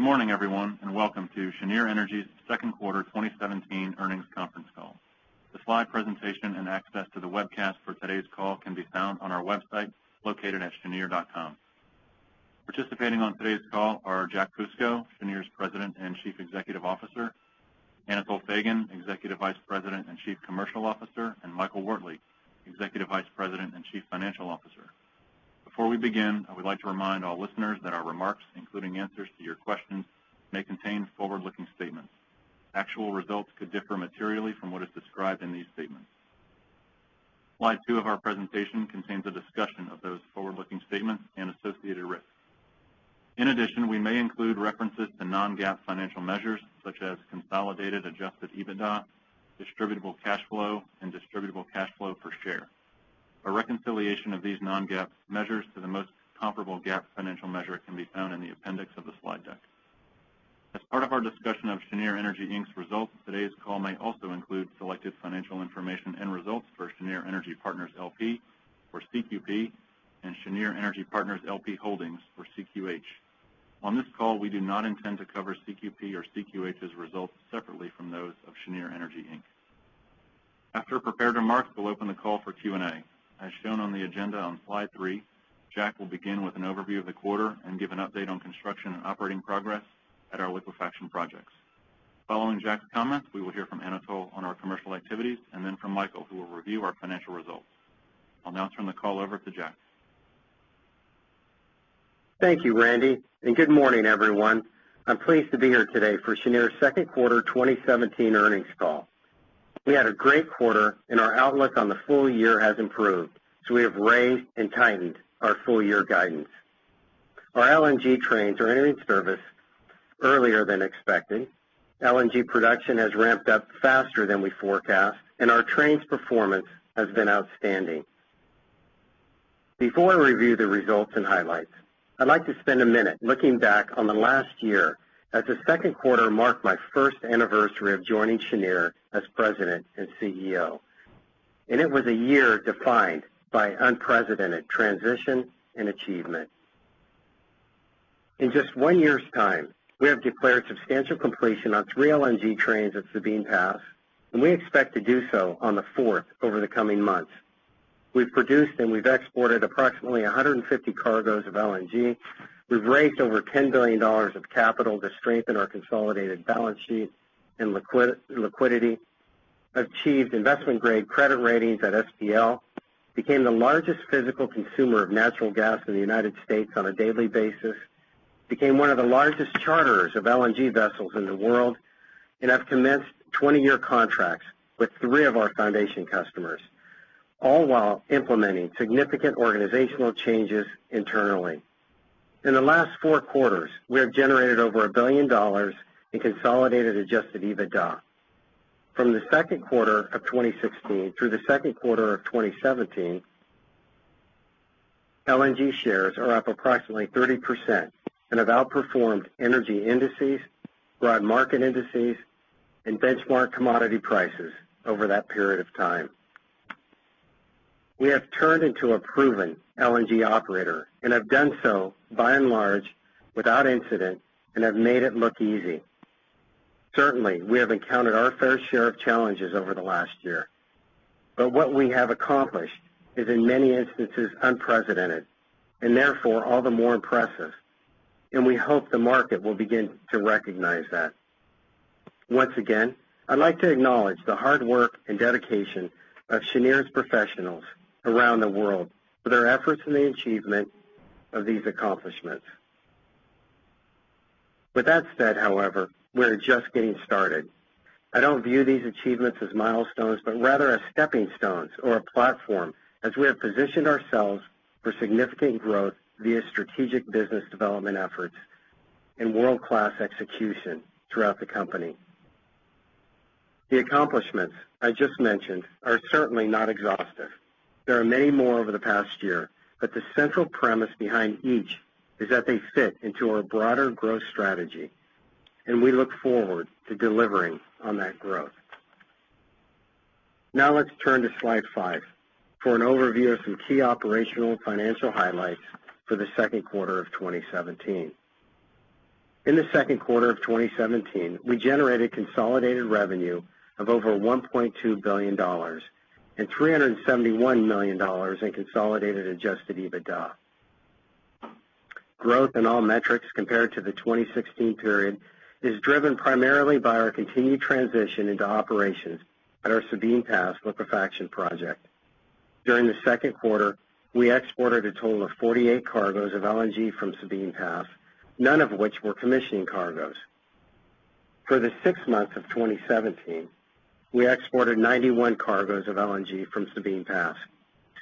Good morning, everyone, and welcome to Cheniere Energy's second quarter 2017 earnings conference call. The slide presentation and access to the webcast for today's call can be found on our website, located at cheniere.com. Participating on today's call are Jack Fusco, President and Chief Executive Officer, Anatol Feygin, Executive Vice President and Chief Commercial Officer, and Michael Wortley, Executive Vice President and Chief Financial Officer. Before we begin, I would like to remind all listeners that our remarks, including answers to your questions, may contain forward-looking statements. Actual results could differ materially from what is described in these statements. Slide two of our presentation contains a discussion of those forward-looking statements and associated risks. In addition, we may include references to non-GAAP financial measures such as consolidated adjusted EBITDA, distributable cash flow, and distributable cash flow per share. A reconciliation of these non-GAAP measures to the most comparable GAAP financial measure can be found in the appendix of the slide deck. As part of our discussion of Cheniere Energy Inc.'s results, today's call may also include selected financial information and results for Cheniere Energy Partners LP or CQP, and Cheniere Energy Partners LP Holdings or CQH. On this call, we do not intend to cover CQP or CQH's results separately from those of Cheniere Energy Inc. After prepared remarks, we'll open the call for Q&A. As shown on the agenda on slide three, Jack will begin with an overview of the quarter and give an update on construction and operating progress at our liquefaction projects. Following Jack's comments, we will hear from Anatol on our commercial activities and then from Michael, who will review our financial results. I'll now turn the call over to Jack. Thank you, Randy, and good morning, everyone. I'm pleased to be here today for Cheniere's second quarter 2017 earnings call. We had a great quarter, and our outlook on the full year has improved, so we have raised and tightened our full-year guidance. Our LNG trains are entering service earlier than expected. LNG production has ramped up faster than we forecast, and our trains' performance has been outstanding. Before I review the results and highlights, I'd like to spend a minute looking back on the last year as the second quarter marked my first anniversary of joining Cheniere as President and CEO. It was a year defined by unprecedented transition and achievement. In just one year's time, we have declared substantial completion on three LNG trains at Sabine Pass, and we expect to do so on the fourth over the coming months. We've produced and we've exported approximately 150 cargos of LNG. We've raised over $10 billion of capital to strengthen our consolidated balance sheet and liquidity. Achieved investment-grade credit ratings at SPL. Became the largest physical consumer of natural gas in the U.S. on a daily basis. Became one of the largest charterers of LNG vessels in the world and have commenced 20-year contracts with three of our foundation customers, all while implementing significant organizational changes internally. In the last four quarters, we have generated over a billion dollars in consolidated adjusted EBITDA. From the second quarter of 2016 through the second quarter of 2017, LNG shares are up approximately 30% and have outperformed energy indices, broad market indices, and benchmark commodity prices over that period of time. We have turned into a proven LNG operator and have done so, by and large, without incident and have made it look easy. Certainly, we have encountered our fair share of challenges over the last year. What we have accomplished is, in many instances, unprecedented and therefore all the more impressive, and we hope the market will begin to recognize that. Once again, I'd like to acknowledge the hard work and dedication of Cheniere's professionals around the world for their efforts in the achievement of these accomplishments. With that said, however, we're just getting started. I don't view these achievements as milestones, but rather as stepping stones or a platform as we have positioned ourselves for significant growth via strategic business development efforts and world-class execution throughout the company. The accomplishments I just mentioned are certainly not exhaustive. There are many more over the past year, the central premise behind each is that they fit into our broader growth strategy, and we look forward to delivering on that growth. Now let's turn to slide five for an overview of some key operational and financial highlights for the second quarter of 2017. In the second quarter of 2017, we generated consolidated revenue of over $1.2 billion and $371 million in consolidated adjusted EBITDA. Growth in all metrics compared to the 2016 period is driven primarily by our continued transition into operations at our Sabine Pass Liquefaction project. During the second quarter, we exported a total of 48 cargos of LNG from Sabine Pass, none of which were commissioning cargos. For the 6 months of 2017, we exported 91 cargos of LNG from Sabine Pass,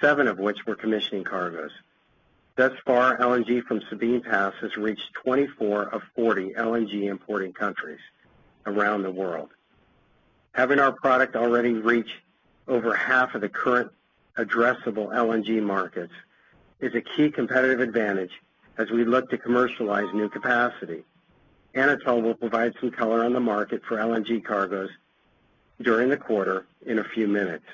7 of which were commissioning cargos. Thus far, LNG from Sabine Pass has reached 24 of 40 LNG importing countries around the world. Having our product already reach over half of the current addressable LNG markets is a key competitive advantage as we look to commercialize new capacity. Anatol will provide some color on the market for LNG cargos during the quarter in a few minutes.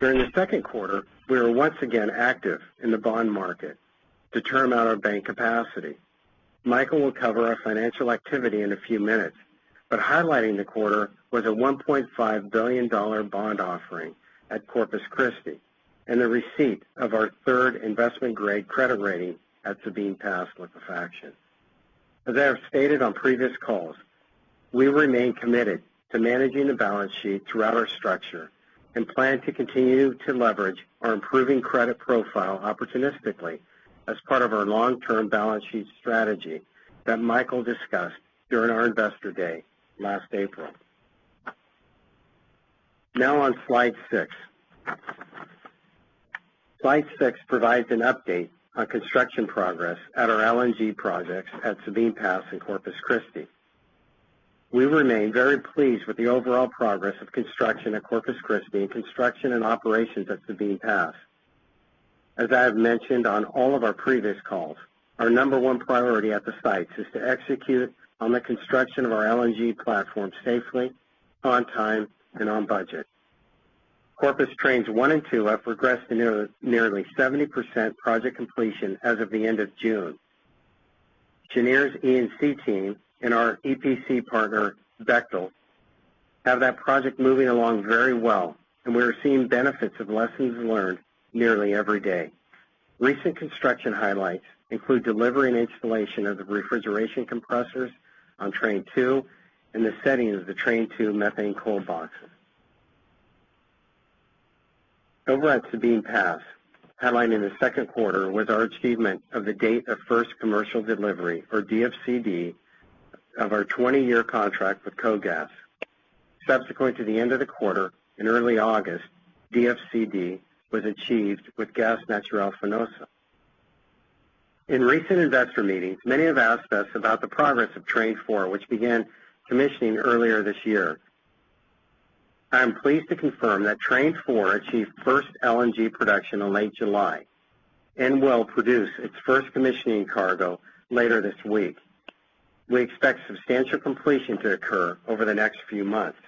During the second quarter, we were once again active in the bond market to term out our bank capacity. Michael will cover our financial activity in a few minutes, highlighting the quarter was a $1.5 billion bond offering at Corpus Christi and the receipt of our third investment-grade credit rating at Sabine Pass Liquefaction. As I have stated on previous calls, we remain committed to managing the balance sheet throughout our structure and plan to continue to leverage our improving credit profile opportunistically as part of our long-term balance sheet strategy that Michael discussed during our investor day last April. Now on slide six. Slide six provides an update on construction progress at our LNG projects at Sabine Pass and Corpus Christi. We remain very pleased with the overall progress of construction at Corpus Christi and construction and operations at Sabine Pass. As I have mentioned on all of our previous calls, our number 1 priority at the sites is to execute on the construction of our LNG platform safely, on time, and on budget. Corpus Trains 1 and 2 have progressed to nearly 70% project completion as of the end of June. Cheniere's E&C team and our EPC partner, Bechtel, have that project moving along very well, and we are seeing benefits of lessons learned nearly every day. Recent construction highlights include delivery and installation of the refrigeration compressors on Train 2 and the setting of the Train 2 methane cold boxes. Over at Sabine Pass, headlined in the second quarter was our achievement of the date of first commercial delivery, or DFCD, of our 20-year contract with KOGAS. Subsequent to the end of the quarter, in early August, DFCD was achieved with Gas Natural Fenosa. In recent investor meetings, many have asked us about the progress of Train 4, which began commissioning earlier this year. I am pleased to confirm that Train 4 achieved first LNG production in late July and will produce its first commissioning cargo later this week. We expect substantial completion to occur over the next few months.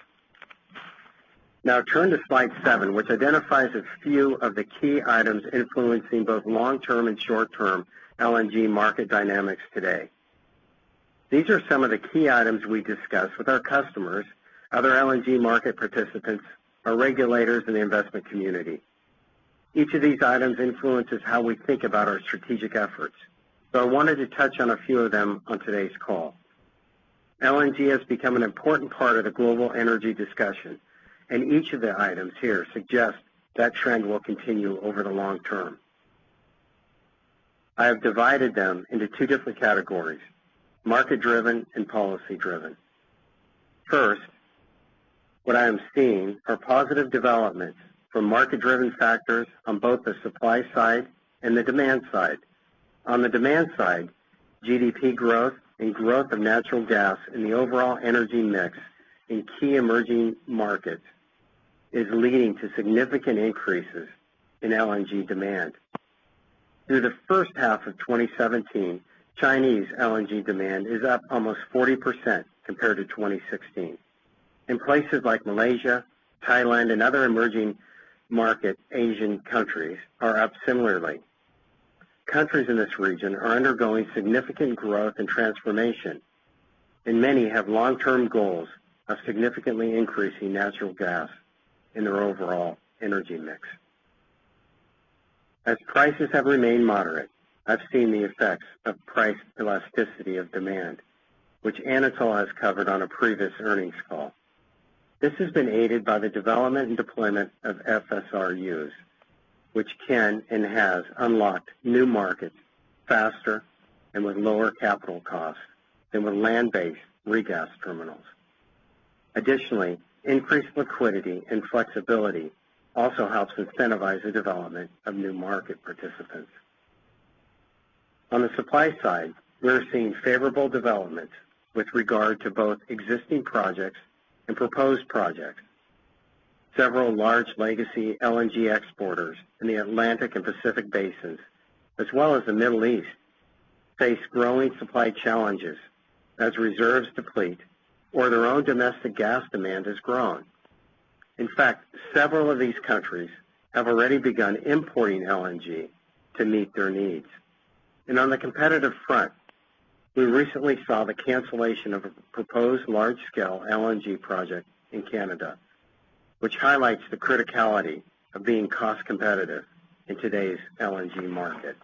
Now turn to slide seven, which identifies a few of the key items influencing both long-term and short-term LNG market dynamics today. These are some of the key items we discuss with our customers, other LNG market participants, our regulators, and the investment community. Each of these items influences how we think about our strategic efforts, so I wanted to touch on a few of them on today's call. LNG has become an important part of the global energy discussion, and each of the items here suggests that trend will continue over the long term. I have divided them into two different categories: market-driven and policy-driven. First, what I am seeing are positive developments from market-driven factors on both the supply side and the demand side. On the demand side, GDP growth and growth of natural gas in the overall energy mix in key emerging markets is leading to significant increases in LNG demand. Through the first half of 2017, Chinese LNG demand is up almost 40% compared to 2016. In places like Malaysia, Thailand, and other emerging market Asian countries are up similarly. Countries in this region are undergoing significant growth and transformation, and many have long-term goals of significantly increasing natural gas in their overall energy mix. As prices have remained moderate, I've seen the effects of price elasticity of demand, which Anatol has covered on a previous earnings call. This has been aided by the development and deployment of FSRUs, which can and has unlocked new markets faster and with lower capital costs than with land-based regas terminals. Additionally, increased liquidity and flexibility also helps incentivize the development of new market participants. On the supply side, we're seeing favorable developments with regard to both existing projects and proposed projects. Several large legacy LNG exporters in the Atlantic and Pacific Basins, as well as the Middle East, face growing supply challenges as reserves deplete or their own domestic gas demand has grown. In fact, several of these countries have already begun importing LNG to meet their needs. On the competitive front, we recently saw the cancellation of a proposed large-scale LNG project in Canada, which highlights the criticality of being cost-competitive in today's LNG market.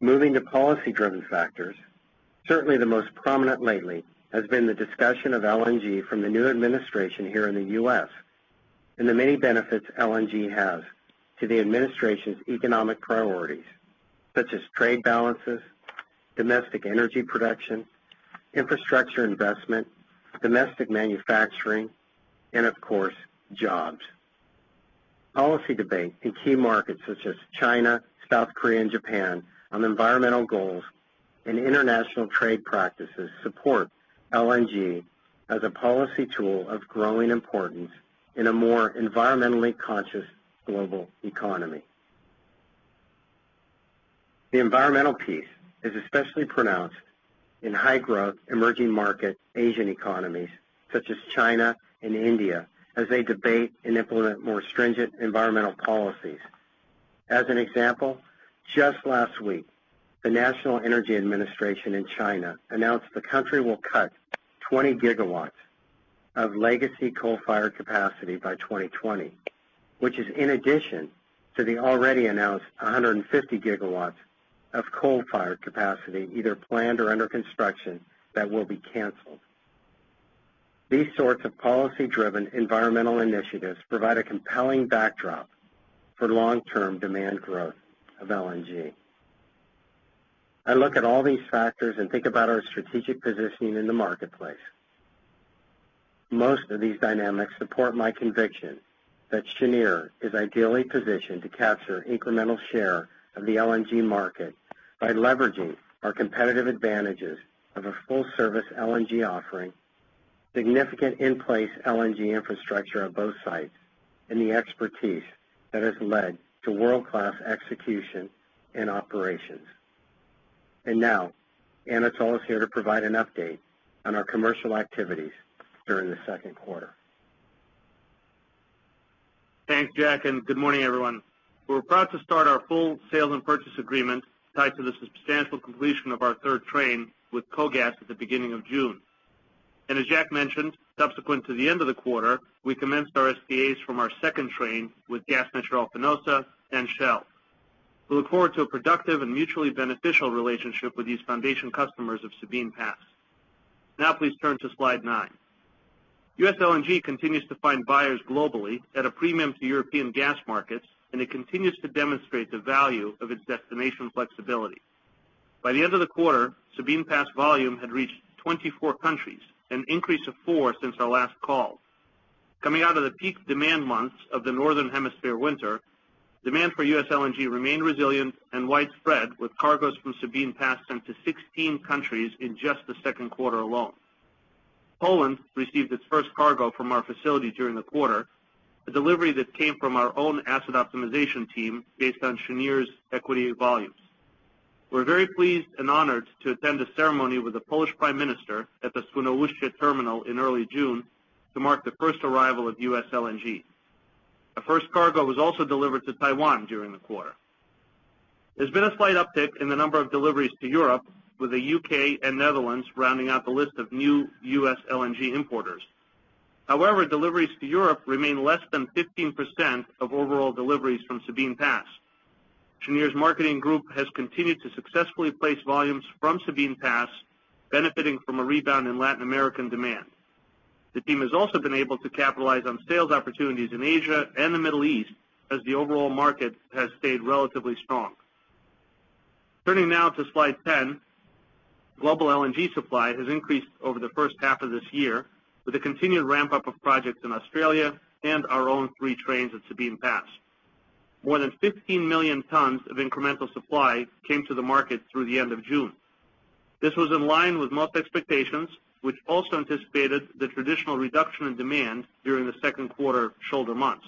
Moving to policy-driven factors, certainly the most prominent lately has been the discussion of LNG from the new administration here in the U.S. and the many benefits LNG has to the administration's economic priorities, such as trade balances, domestic energy production, infrastructure investment, domestic manufacturing, and of course, jobs. Policy debate in key markets such as China, South Korea, and Japan on environmental goals and international trade practices support LNG as a policy tool of growing importance in a more environmentally conscious global economy. The environmental piece is especially pronounced in high-growth emerging market Asian economies such as China and India, as they debate and implement more stringent environmental policies. As an example, just last week, the National Energy Administration in China announced the country will cut 20 gigawatts of legacy coal-fired capacity by 2020, which is in addition to the already announced 150 gigawatts of coal-fired capacity, either planned or under construction, that will be canceled. These sorts of policy-driven environmental initiatives provide a compelling backdrop for long-term demand growth of LNG. I look at all these factors and think about our strategic positioning in the marketplace. Most of these dynamics support my conviction that Cheniere is ideally positioned to capture incremental share of the LNG market by leveraging our competitive advantages of a full-service LNG offering, significant in-place LNG infrastructure on both sites, and the expertise that has led to world-class execution and operations. Now, Anatol is here to provide an update on our commercial activities during the second quarter. Thanks, Jack, and good morning, everyone. We're proud to start our full sales and purchase agreement tied to the substantial completion of our third train with KOGAS at the beginning of June. As Jack mentioned, subsequent to the end of the quarter, we commenced our SPAs from our second train with Gas Natural Fenosa and Shell. We look forward to a productive and mutually beneficial relationship with these foundation customers of Sabine Pass. Please turn to slide nine. U.S. LNG continues to find buyers globally at a premium to European gas markets, and it continues to demonstrate the value of its destination flexibility. By the end of the quarter, Sabine Pass volume had reached 24 countries, an increase of four since our last call. Coming out of the peak demand months of the Northern Hemisphere winter, demand for U.S. LNG remained resilient and widespread with cargoes from Sabine Pass sent to 16 countries in just the second quarter alone. Poland received its first cargo from our facility during the quarter, a delivery that came from our own asset optimization team based on Cheniere's equity volumes. We're very pleased and honored to attend a ceremony with the Polish Prime Minister at the Świnoujście terminal in early June to mark the first arrival of U.S. LNG. The first cargo was also delivered to Taiwan during the quarter. There's been a slight uptick in the number of deliveries to Europe, with the U.K. and Netherlands rounding out the list of new U.S. LNG importers. However, deliveries to Europe remain less than 15% of overall deliveries from Sabine Pass. Cheniere's marketing group has continued to successfully place volumes from Sabine Pass, benefiting from a rebound in Latin American demand. The team has also been able to capitalize on sales opportunities in Asia and the Middle East as the overall market has stayed relatively strong. Turning now to slide 10. Global LNG supply has increased over the first half of this year with the continued ramp-up of projects in Australia and our own three trains at Sabine Pass. More than 15 million tons of incremental supply came to the market through the end of June. This was in line with most expectations, which also anticipated the traditional reduction in demand during the second quarter shoulder months.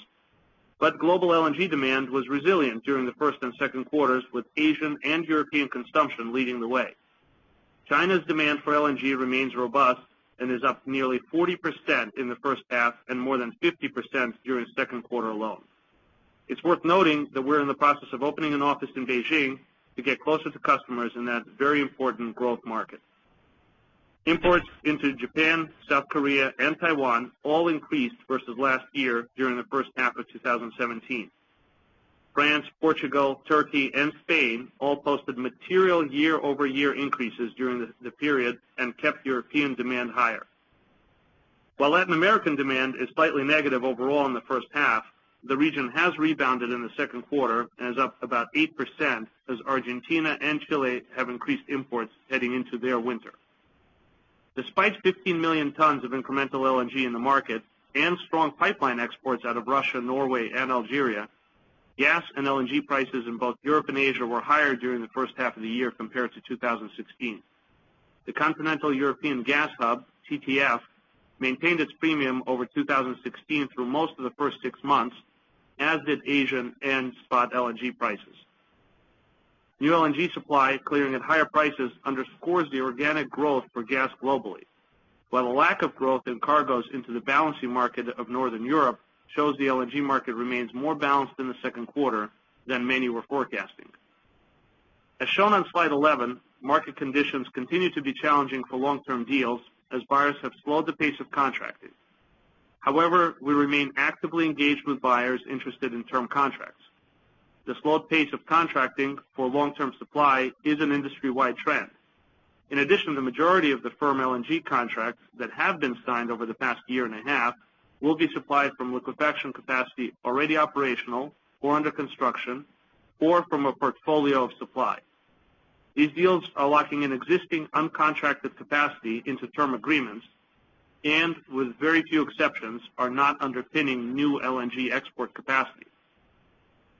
Global LNG demand was resilient during the first and second quarters, with Asian and European consumption leading the way. China's demand for LNG remains robust and is up nearly 40% in the first half and more than 50% during the second quarter alone. It's worth noting that we're in the process of opening an office in Beijing to get closer to customers in that very important growth market. Imports into Japan, South Korea, and Taiwan all increased versus last year during the first half of 2017. France, Portugal, Turkey, and Spain all posted material year-over-year increases during the period and kept European demand higher. While Latin American demand is slightly negative overall in the first half, the region has rebounded in the second quarter and is up about 8% as Argentina and Chile have increased imports heading into their winter. Despite 15 million tons of incremental LNG in the market and strong pipeline exports out of Russia, Norway, and Algeria, gas and LNG prices in both Europe and Asia were higher during the first half of the year compared to 2016. The continental European gas hub, TTF, maintained its premium over 2016 through most of the first six months, as did Asian and spot LNG prices. New LNG supply clearing at higher prices underscores the organic growth for gas globally, while a lack of growth in cargoes into the balancing market of Northern Europe shows the LNG market remains more balanced in the second quarter than many were forecasting. As shown on slide 11, market conditions continue to be challenging for long-term deals as buyers have slowed the pace of contracting. We remain actively engaged with buyers interested in term contracts. The slowed pace of contracting for long-term supply is an industry-wide trend. In addition, the majority of the firm LNG contracts that have been signed over the past year and a half will be supplied from liquefaction capacity already operational or under construction, or from a portfolio of supply. These deals are locking in existing uncontracted capacity into term agreements and, with very few exceptions, are not underpinning new LNG export capacity.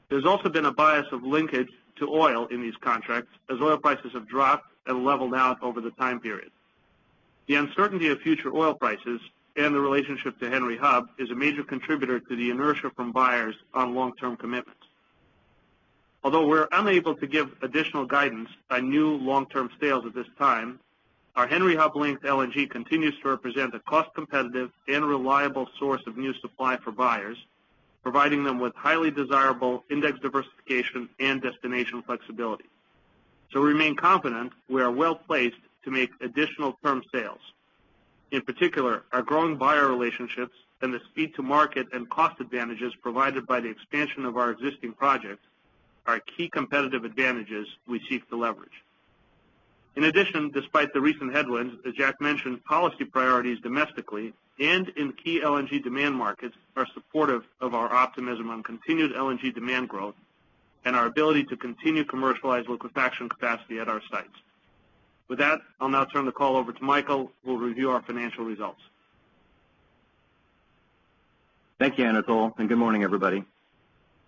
There's also been a bias of linkage to oil in these contracts as oil prices have dropped and leveled out over the time period. The uncertainty of future oil prices and the relationship to Henry Hub is a major contributor to the inertia from buyers on long-term commitments. Although we're unable to give additional guidance on new long-term sales at this time, our Henry Hub-linked LNG continues to represent a cost-competitive and reliable source of new supply for buyers, providing them with highly desirable index diversification and destination flexibility. We remain confident we are well-placed to make additional firm sales. In particular, our growing buyer relationships and the speed to market and cost advantages provided by the expansion of our existing projects are key competitive advantages we seek to leverage. In addition, despite the recent headwinds, as Jack mentioned, policy priorities domestically and in key LNG demand markets are supportive of our optimism on continued LNG demand growth and our ability to continue to commercialize liquefaction capacity at our sites. With that, I'll now turn the call over to Michael, who will review our financial results. Thank you, Anatol. Good morning, everybody.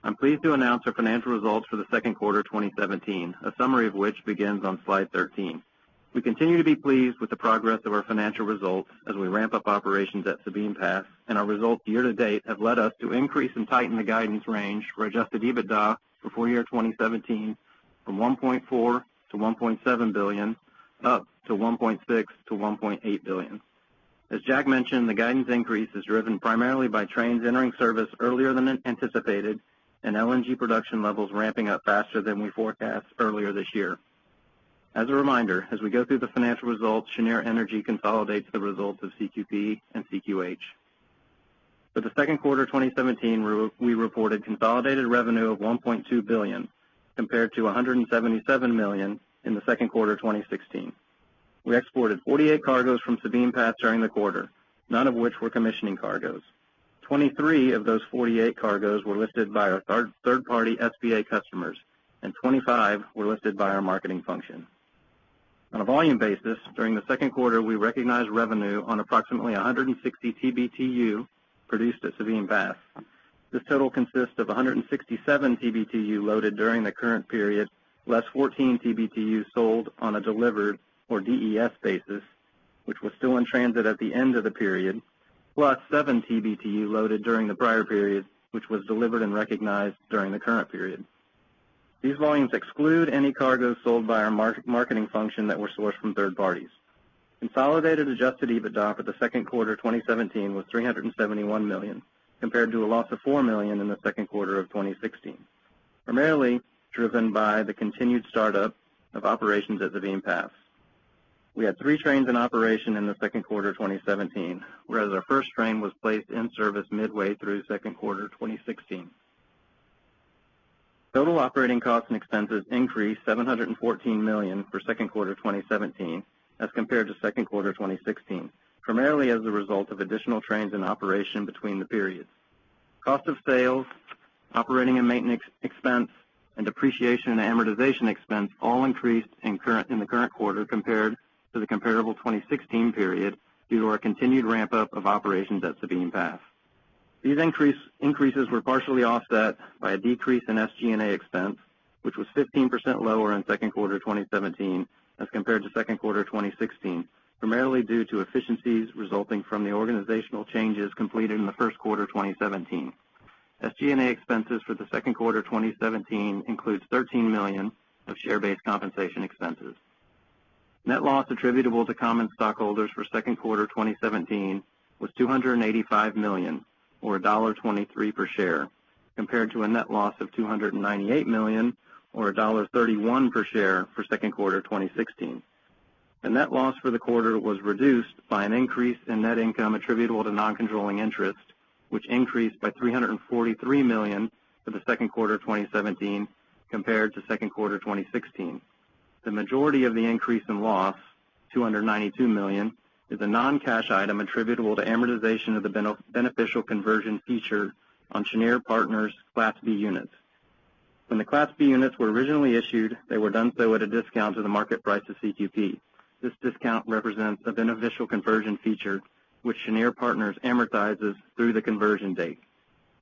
I'm pleased to announce our financial results for the second quarter 2017, a summary of which begins on slide 13. We continue to be pleased with the progress of our financial results as we ramp up operations at Sabine Pass, our results year-to-date have led us to increase and tighten the guidance range for adjusted EBITDA for full year 2017 from $1.4 billion-$1.7 billion, up to $1.6 billion-$1.8 billion. As Jack mentioned, the guidance increase is driven primarily by trains entering service earlier than anticipated and LNG production levels ramping up faster than we forecast earlier this year. As a reminder, as we go through the financial results, Cheniere Energy consolidates the results of CQP and CQH. For the second quarter 2017, we reported consolidated revenue of $1.2 billion, compared to $177 million in the second quarter 2016. We exported 48 cargoes from Sabine Pass during the quarter, none of which were commissioning cargoes. 23 of those 48 cargoes were listed by our third-party SPA customers, 25 were listed by our marketing function. On a volume basis, during the second quarter, we recognized revenue on approximately 160 TBTU produced at Sabine Pass. This total consists of 167 TBTU loaded during the current period, less 14 TBTU sold on a delivered or DES basis, which was still in transit at the end of the period, plus 7 TBTU loaded during the prior period, which was delivered and recognized during the current period. These volumes exclude any cargoes sold by our marketing function that were sourced from third parties. Consolidated adjusted EBITDA for the second quarter 2017 was $371 million, compared to a loss of $4 million in the second quarter of 2016, primarily driven by the continued startup of operations at Sabine Pass. We had three trains in operation in the second quarter 2017, whereas our first train was placed in service midway through second quarter 2016. Total operating costs and expenses increased $714 million for second quarter 2017 as compared to second quarter 2016, primarily as a result of additional trains in operation between the periods. Cost of sales, operating and maintenance expense, and depreciation and amortization expense all increased in the current quarter compared to the comparable 2016 period due to our continued ramp-up of operations at Sabine Pass. These increases were partially offset by a decrease in SG&A expense, which was 15% lower in second quarter 2017 as compared to second quarter 2016, primarily due to efficiencies resulting from the organizational changes completed in the first quarter 2017. SG&A expenses for the second quarter 2017 includes $13 million of share-based compensation expenses. Net loss attributable to common stockholders for second quarter 2017 was $285 million, or $1.23 per share, compared to a net loss of $298 million or $1.31 per share for second quarter 2016. The net loss for the quarter was reduced by an increase in net income attributable to non-controlling interest, which increased by $343 million for the second quarter 2017 compared to second quarter 2016. The majority of the increase in loss, $292 million, is a non-cash item attributable to amortization of the beneficial conversion feature on Cheniere Partners Class B units. When the Class B units were originally issued, they were done so at a discount to the market price of CQP. This discount represents a beneficial conversion feature, which Cheniere Partners amortizes through the conversion date.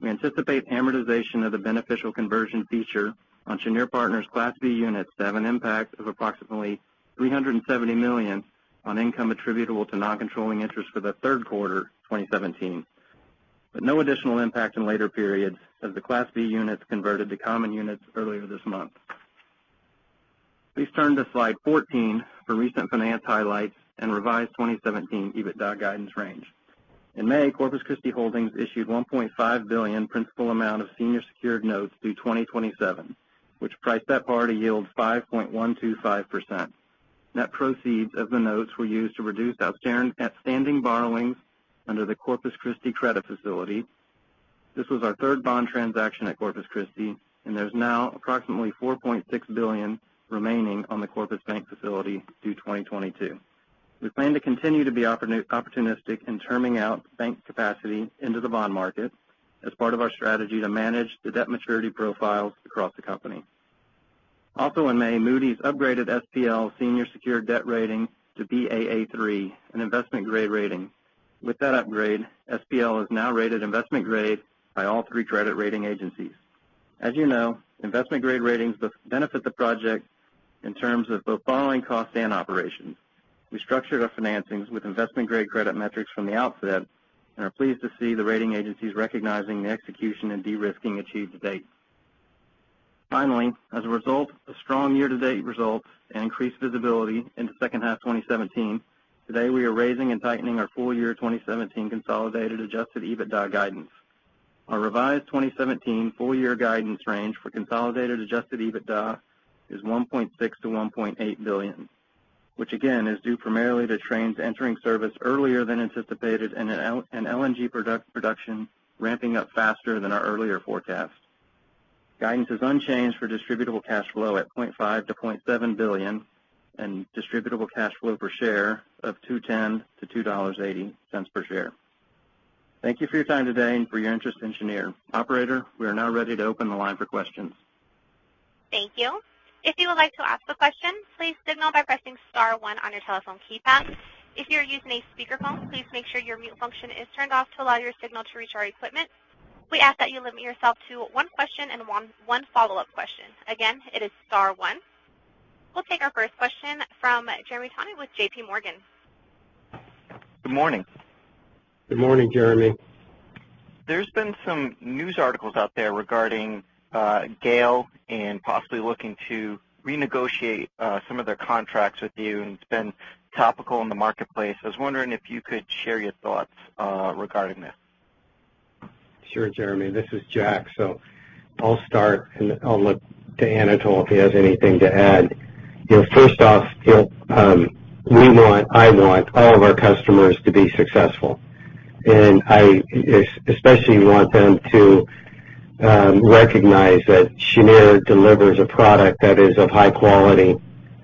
We anticipate amortization of the beneficial conversion feature on Cheniere Partners Class B units to have an impact of approximately $370 million on income attributable to non-controlling interests for the third quarter 2017, but no additional impact in later periods as the Class B units converted to common units earlier this month. Please turn to slide 14 for recent finance highlights and revised 2017 EBITDA guidance range. In May, Corpus Christi Holdings issued $1.5 billion principal amount of senior secured notes due 2027, which priced at par to yield 5.125%. Net proceeds of the notes were used to reduce outstanding borrowings under the Corpus Christi credit facility. This was our third bond transaction at Corpus Christi, There's now approximately $4.6 billion remaining on the Corpus bank facility due 2022. We plan to continue to be opportunistic in terming out bank capacity into the bond market as part of our strategy to manage the debt maturity profiles across the company. Also in May, Moody's upgraded SPL senior secured debt rating to Baa3, an investment-grade rating. With that upgrade, SPL is now rated investment-grade by all three credit rating agencies. As you know, investment-grade ratings both benefit the project in terms of both borrowing costs and operations. We structured our financings with investment-grade credit metrics from the outset and are pleased to see the rating agencies recognizing the execution and de-risking achieved to date. Finally, as a result of strong year-to-date results and increased visibility into second half 2017, today we are raising and tightening our full-year 2017 consolidated adjusted EBITDA guidance. Our revised 2017 full-year guidance range for consolidated adjusted EBITDA is $1.6 billion-$1.8 billion, which again, is due primarily to trains entering service earlier than anticipated and LNG production ramping up faster than our earlier forecasts. Guidance is unchanged for distributable cash flow at $0.5 billion-$0.7 billion and distributable cash flow per share of $2.10-$2.80 per share. Thank you for your time today and for your interest in Cheniere. Operator, we are now ready to open the line for questions. Thank you. If you would like to ask a question, please signal by pressing star one on your telephone keypad. If you are using a speakerphone, please make sure your mute function is turned off to allow your signal to reach our equipment. We ask that you limit yourself to one question and one follow-up question. Again, it is star one. We'll take our first question from Jeremy Tonet with JPMorgan. Good morning. Good morning, Jeremy. There's been some news articles out there regarding GAIL and possibly looking to renegotiate some of their contracts with you. It's been topical in the marketplace. I was wondering if you could share your thoughts regarding this. Sure, Jeremy. This is Jack. I'll start, and I'll look to Anatol if he has anything to add. First off, I want all of our customers to be successful. I especially want them to recognize that Cheniere delivers a product that is of high quality,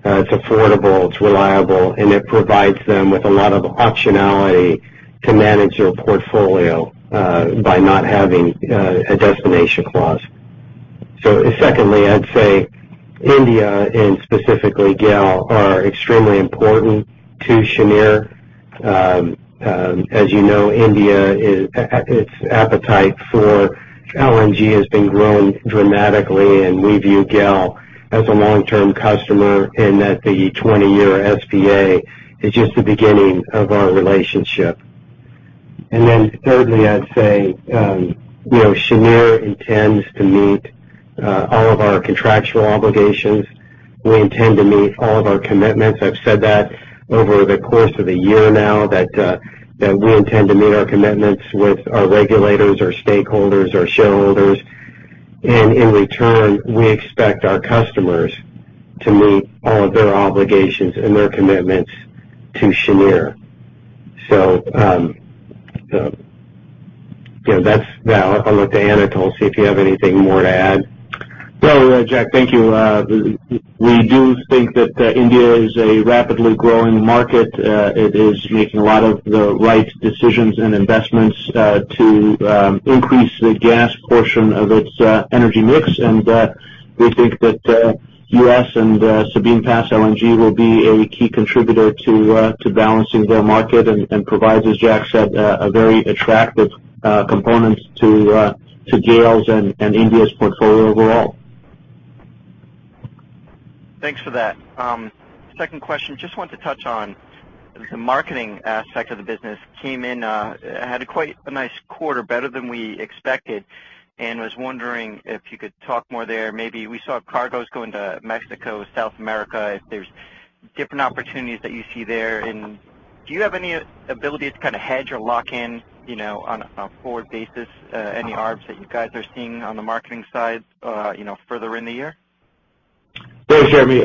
it's affordable, it's reliable, and it provides them with a lot of optionality to manage their portfolio by not having a destination clause. Secondly, I'd say India and specifically GAIL are extremely important to Cheniere. As you know, India, its appetite for LNG has been growing dramatically, and we view GAIL as a long-term customer and that the 20-year SPA is just the beginning of our relationship. Thirdly, I'd say Cheniere intends to meet all of our contractual obligations. We intend to meet all of our commitments. I've said that over the course of the year now that we intend to meet our commitments with our regulators, our stakeholders, our shareholders. In return, we expect our customers to meet all of their obligations and their commitments to Cheniere. I'll look to Anatol, see if you have anything more to add. Well, Jack, thank you. We do think that India is a rapidly growing market. It is making a lot of the right decisions and investments to increase the gas portion of its energy mix. We think that U.S. and Sabine Pass LNG will be a key contributor to balancing their market and provides, as Jack said, a very attractive component to GAIL's and India's portfolio overall. Thanks for that. Second question, just wanted to touch on the marketing aspect of the business. Came in, had quite a nice quarter, better than we expected, and was wondering if you could talk more there. Maybe we saw cargoes going to Mexico, South America, if there's different opportunities that you see there, and do you have any ability to kind of hedge or lock in on a forward basis, any arbs that you guys are seeing on the marketing side further in the year? Hey, Jeremy.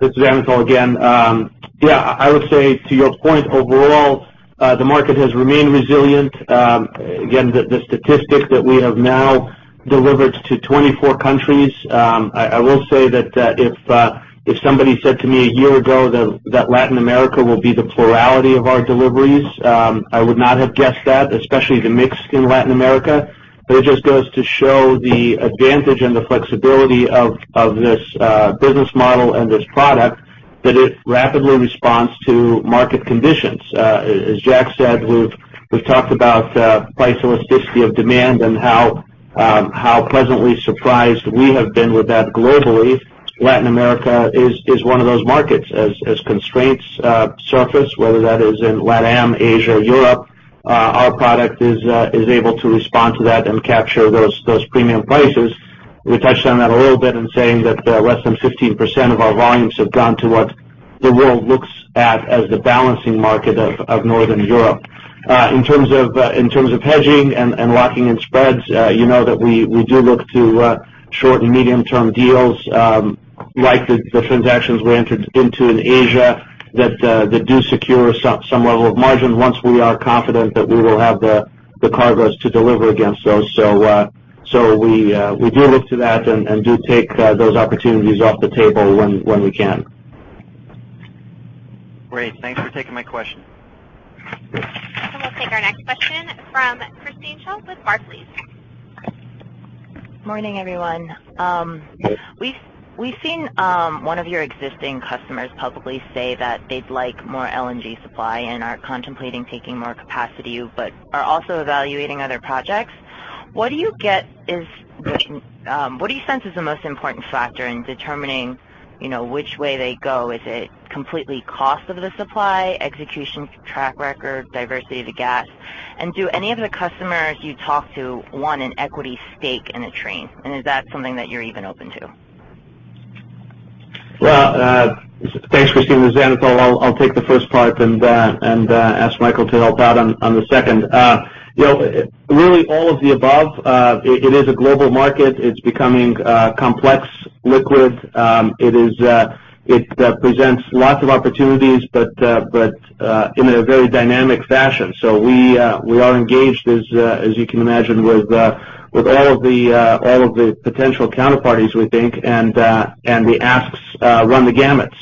This is Anatol again. I would say to your point, overall, the market has remained resilient. Again, the statistic that we have now delivered to 24 countries. I will say that if somebody said to me a year ago that Latin America will be the plurality of our deliveries, I would not have guessed that, especially the mix in Latin America. It just goes to show the advantage and the flexibility of this business model and this product that it rapidly responds to market conditions. As Jack said, we've talked about price elasticity of demand and how pleasantly surprised we have been with that globally. Latin America is one of those markets. As constraints surface, whether that is in LatAm, Asia, or Europe our product is able to respond to that and capture those premium prices. We touched on that a little bit in saying that less than 15% of our volumes have gone to what the world looks at as the balancing market of Northern Europe. In terms of hedging and locking in spreads, you know that we do look to short and medium-term deals like the transactions we entered into in Asia that do secure some level of margin once we are confident that we will have the cargoes to deliver against those. We do look to that and do take those opportunities off the table when we can. Great. Thanks for taking my question. We'll take our next question from Theresa Chen with Barclays. Morning, everyone. We've seen one of your existing customers publicly say that they'd like more LNG supply and are contemplating taking more capacity but are also evaluating other projects. What do you sense is the most important factor in determining which way they go? Is it completely cost of the supply, execution track record, diversity of the gas? Do any of the customers you talk to want an equity stake in a train? Is that something that you're even open to? Thanks, Christine. This is Anatol. I'll take the first part and ask Michael to help out on the second. Really all of the above. It is a global market. It's becoming complex liquid. It presents lots of opportunities but in a very dynamic fashion. We are engaged, as you can imagine, with all of the potential counterparties we think, and the asks run the gamut.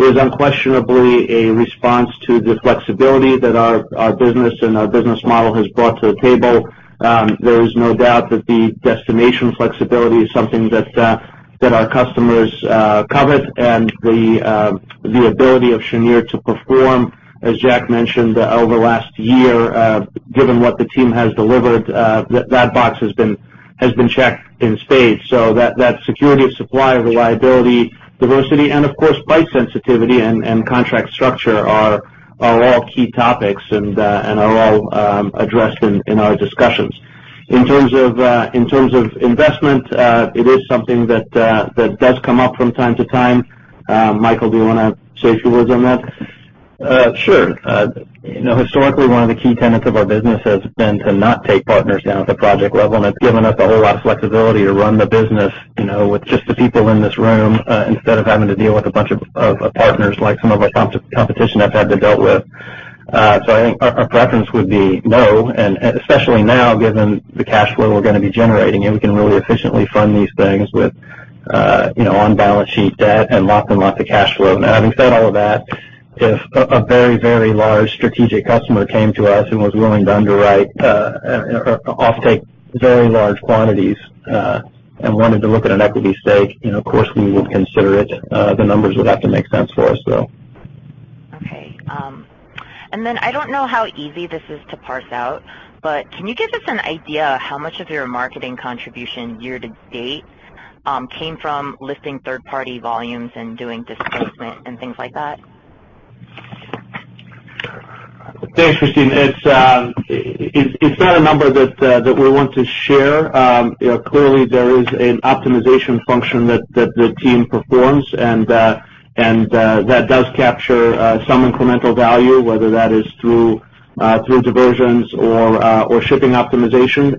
It is unquestionably a response to the flexibility that our business and our business model has brought to the table. There is no doubt that the destination flexibility is something that our customers covet and the ability of Cheniere to perform, as Jack mentioned, over the last year, given what the team has delivered, that box has been checked in stage. That security of supply, reliability, diversity, and of course, price sensitivity and contract structure are all key topics and are all addressed in our discussions. In terms of investment, it is something that does come up from time to time. Michael, do you want to say a few words on that? Sure. Historically, one of the key tenets of our business has been to not take partners down at the project level, and it's given us a whole lot of flexibility to run the business with just the people in this room, instead of having to deal with a bunch of partners, like some of the competition I've had to dealt with. I think our preference would be no, and especially now, given the cash flow we're going to be generating here, we can really efficiently fund these things with on-balance sheet debt and lots and lots of cash flow. Now, having said all of that, if a very large strategic customer came to us and was willing to underwrite or offtake very large quantities, and wanted to look at an equity stake, of course we would consider it. The numbers would have to make sense for us, though. Okay. Then I don't know how easy this is to parse out, but can you give us an idea how much of your marketing contribution year-to-date came from lifting third-party volumes and doing displacement and things like that? Thanks, Christine. It's not a number that we want to share. Clearly there is an optimization function that the team performs and that does capture some incremental value, whether that is through diversions or shipping optimization.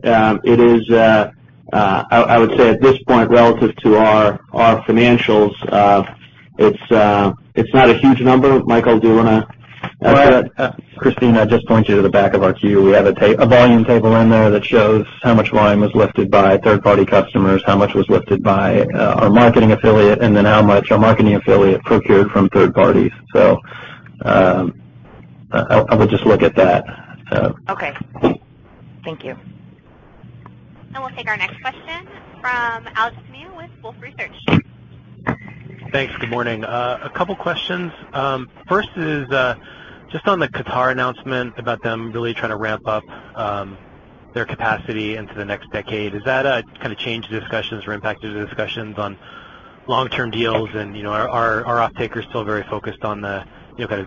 I would say at this point, relative to our financials, it's not a huge number. Michael, do you want to answer that? Christina, I'd just point you to the back of our queue. We have a volume table in there that shows how much volume is lifted by third-party customers, how much was lifted by our marketing affiliate, and then how much our marketing affiliate procured from third parties. I would just look at that. Okay. Thank you. We'll take our next question from Alex Tame with Wolfe Research. Thanks. Good morning. Two questions. First is just on the Qatar announcement about them really trying to ramp up their capacity into the next decade. Has that changed the discussions or impacted the discussions on long-term deals? Are offtakers still very focused on the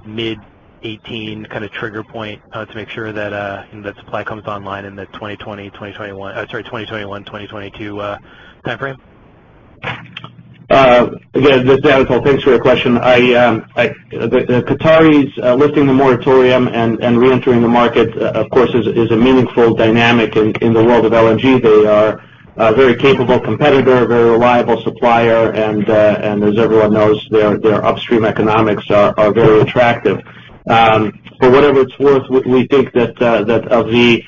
mid-2018 trigger point to make sure that supply comes online in the 2021, 2022 time frame? Again, this is Anatol. Thanks for your question. The Qataris lifting the moratorium and reentering the market, of course, is a meaningful dynamic in the world of LNG. They are a very capable competitor, very reliable supplier, and as everyone knows, their upstream economics are very attractive. For whatever it's worth, we think that of the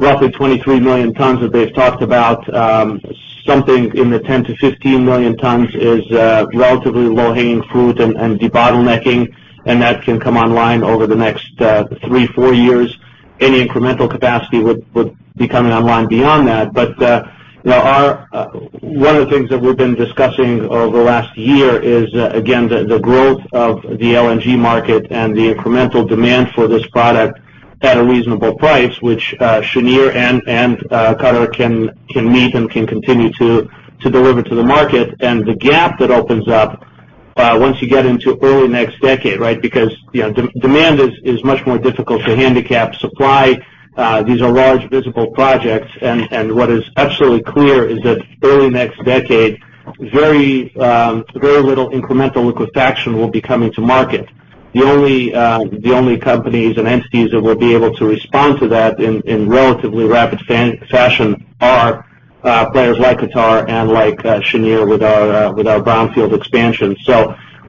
roughly 23 million tons that they've talked about, something in the 10 to 15 million tons is relatively low-hanging fruit and debottlenecking, and that can come online over the next three, four years. Any incremental capacity would be coming online beyond that. One of the things that we've been discussing over the last year is, again, the growth of the LNG market and the incremental demand for this product at a reasonable price, which Cheniere and Qatar can meet and can continue to deliver to the market. The gap that opens up once you get into early next decade, because demand is much more difficult to handicap supply. These are large visible projects, and what is absolutely clear is that early next decade, very little incremental liquefaction will be coming to market. The only companies and entities that will be able to respond to that in relatively rapid fashion are players like Qatar and like Cheniere with our brownfield expansion.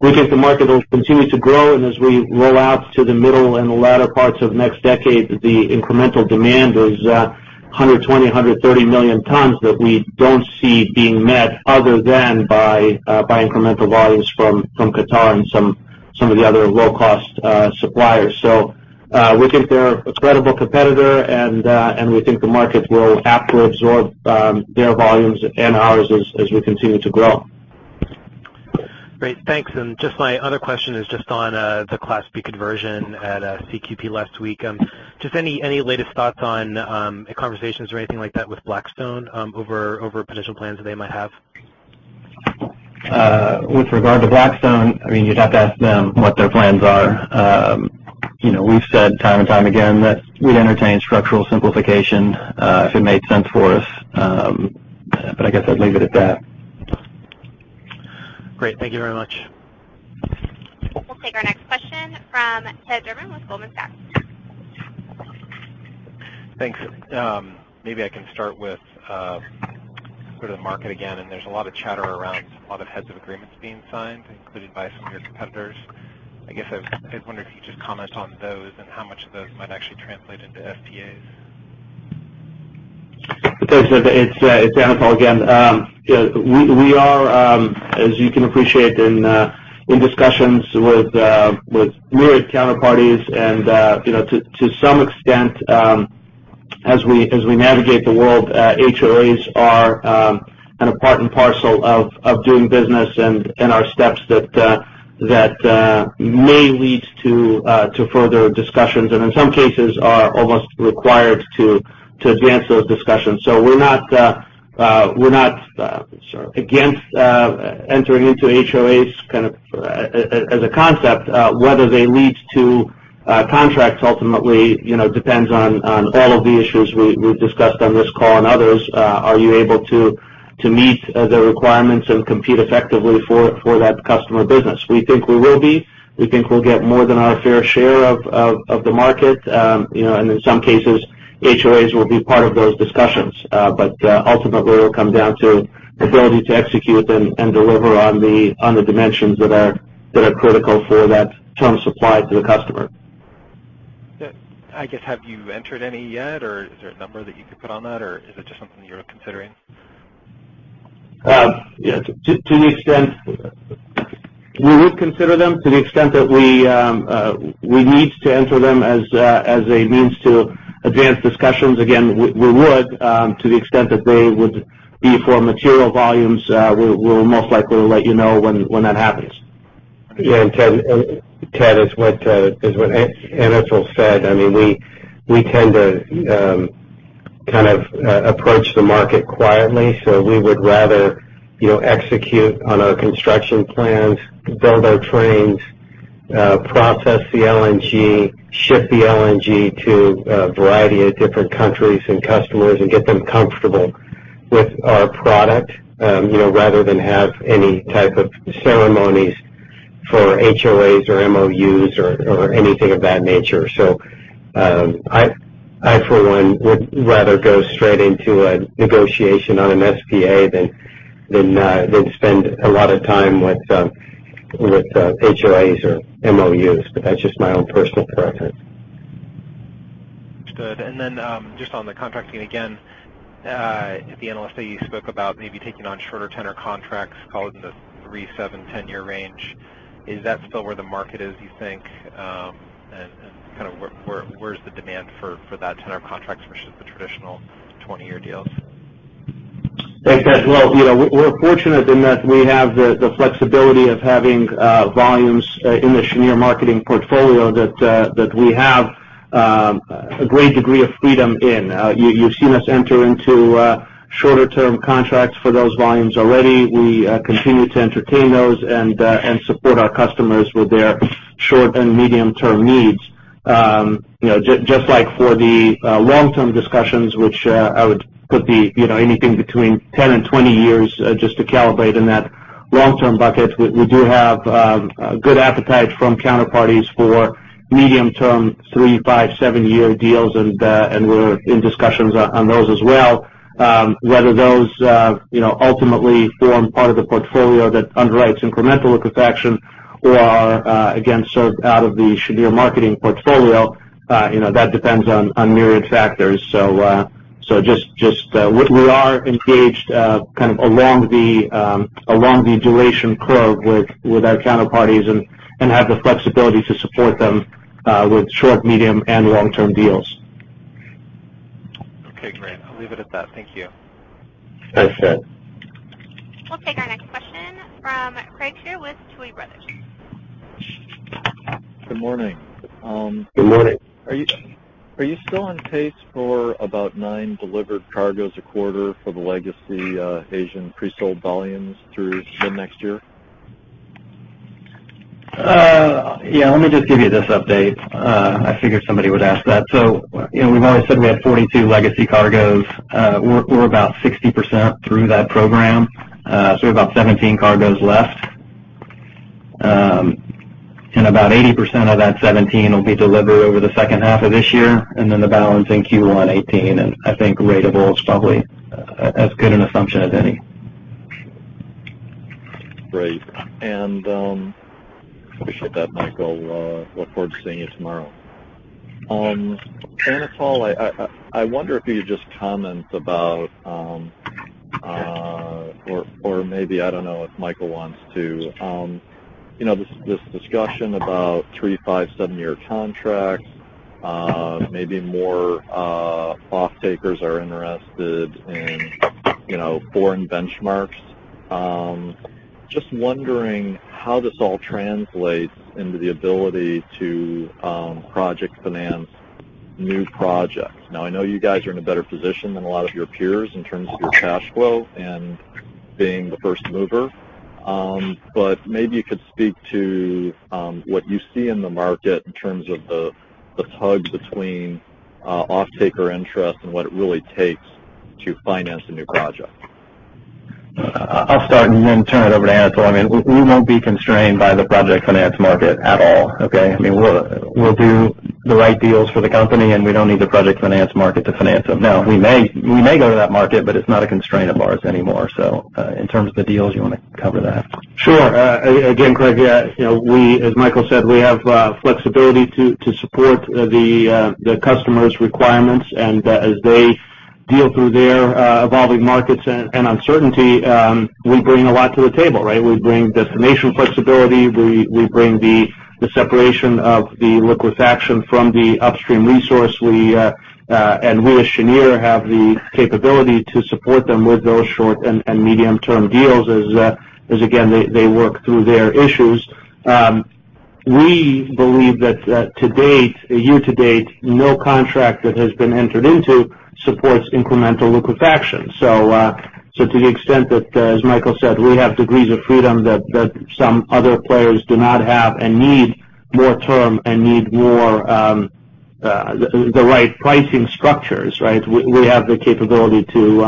We think the market will continue to grow, and as we roll out to the middle and the latter parts of next decade, the incremental demand is 120, 130 million tons that we don't see being met other than by incremental volumes from Qatar and some of the other low-cost suppliers. We think they're a credible competitor and we think the market will have to absorb their volumes and ours as we continue to grow. Great. Thanks. My other question is just on the Class B conversion at CQP last week. Just any latest thoughts on conversations or anything like that with Blackstone over potential plans they might have? With regard to Blackstone, you'd have to ask them what their plans are. We've said time and time again that we'd entertain structural simplification if it made sense for us. I guess I'd leave it at that. Great. Thank you very much. We'll take our next question from Ted Durbin with Goldman Sachs. Thanks. Maybe I can start with go to the market again. There's a lot of chatter around a lot of heads of agreements being signed, including by some of your competitors. I guess I was wondering if you could just comment on those and how much of those might actually translate into FTAs. Ted, it's Anatol again. We are, as you can appreciate, in discussions with myriad counterparties. To some extent, as we navigate the world, HOAs are part and parcel of doing business and are steps that may lead to further discussions, and in some cases are almost required to advance those discussions. We're not against entering into HOAs as a concept. Whether they lead to contracts ultimately depends on all of the issues we've discussed on this call and others. Are you able to meet the requirements and compete effectively for that customer business? We think we will be. We think we'll get more than our fair share of the market. In some cases, HOAs will be part of those discussions. Ultimately, it will come down to the ability to execute and deliver on the dimensions that are critical for that ton supplied to the customer. I guess, have you entered any yet, or is there a number that you could put on that, or is it just something you're considering? We would consider them to the extent that we need to enter them as a means to advance discussions. We would, to the extent that they would be for material volumes. We'll most likely let you know when that happens. Yeah. Ted, as what Anatol said, we tend to approach the market quietly. We would rather execute on our construction plans, build our trains, process the LNG, ship the LNG to a variety of different countries and customers, and get them comfortable with our product, rather than have any type of ceremonies for HOAs or MOUs or anything of that nature. I, for one, would rather go straight into a negotiation on an SPA than spend a lot of time with HOAs or MOUs, but that's just my own personal preference. Understood. Then just on the contracting again, at the analyst day, you spoke about maybe taking on shorter tenure contracts, call it in the three, seven, 10-year range. Is that still where the market is, you think? Where's the demand for that tenure contract versus the traditional 20-year deals? Thanks, Ted. Well, we're fortunate in that we have the flexibility of having volumes in the Cheniere Marketing portfolio that we have a great degree of freedom in. You've seen us enter into shorter term contracts for those volumes already. We continue to entertain those and support our customers with their short and medium-term needs. Just like for the long-term discussions, which I would put anything between 10 and 20 years, just to calibrate in that long-term bucket, we do have good appetite from counterparties for medium-term, three, five, seven-year deals, and we're in discussions on those as well. Whether those ultimately form part of the portfolio that underwrites incremental liquefaction or are again served out of the Cheniere Marketing portfolio, that depends on myriad factors. We are engaged along the duration curve with our counterparties and have the flexibility to support them with short, medium, and long-term deals. Okay, great. I'll leave it at that. Thank you. Thanks, Ted. We'll take our next question from Craig Shere with Tuohy Brothers. Good morning. Good morning. Are you still on pace for about nine delivered cargoes a quarter for the legacy Asian presold volumes through mid-next year? Yeah, let me just give you this update. I figured somebody would ask that. We've always said we had 42 legacy cargoes. We're about 60% through that program. We have about 17 cargoes left. About 80% of that 17 will be delivered over the second half of this year, and then the balance in Q1 2018, and I think ratables probably as good an assumption as any. Great. Appreciate that, Michael. Look forward to seeing you tomorrow. Anatol, I wonder if you could just comment about or maybe, I don't know if Michael wants to- This discussion about three, five, seven-year contracts, maybe more off-takers are interested in foreign benchmarks. Just wondering how this all translates into the ability to project finance new projects. I know you guys are in a better position than a lot of your peers in terms of your cash flow and being the first mover. Maybe you could speak to what you see in the market in terms of the tug between off-taker interest and what it really takes to finance a new project. I'll start then turn it over to Anatol. We won't be constrained by the project finance market at all, okay? We'll do the right deals for the company, we don't need the project finance market to finance them. We may go to that market, but it's not a constraint of ours anymore. In terms of the deals, you want to cover that? Sure. Again, Craig, as Michael said, we have flexibility to support the customer's requirements. As they deal through their evolving markets and uncertainty, we bring a lot to the table, right? We bring destination flexibility. We bring the separation of the liquefaction from the upstream resource. We as Cheniere have the capability to support them with those short and medium-term deals as, again, they work through their issues. We believe that year-to-date, no contract that has been entered into supports incremental liquefaction. To the extent that, as Michael said, we have degrees of freedom that some other players do not have and need more term and need more the right pricing structures, right? We have the capability to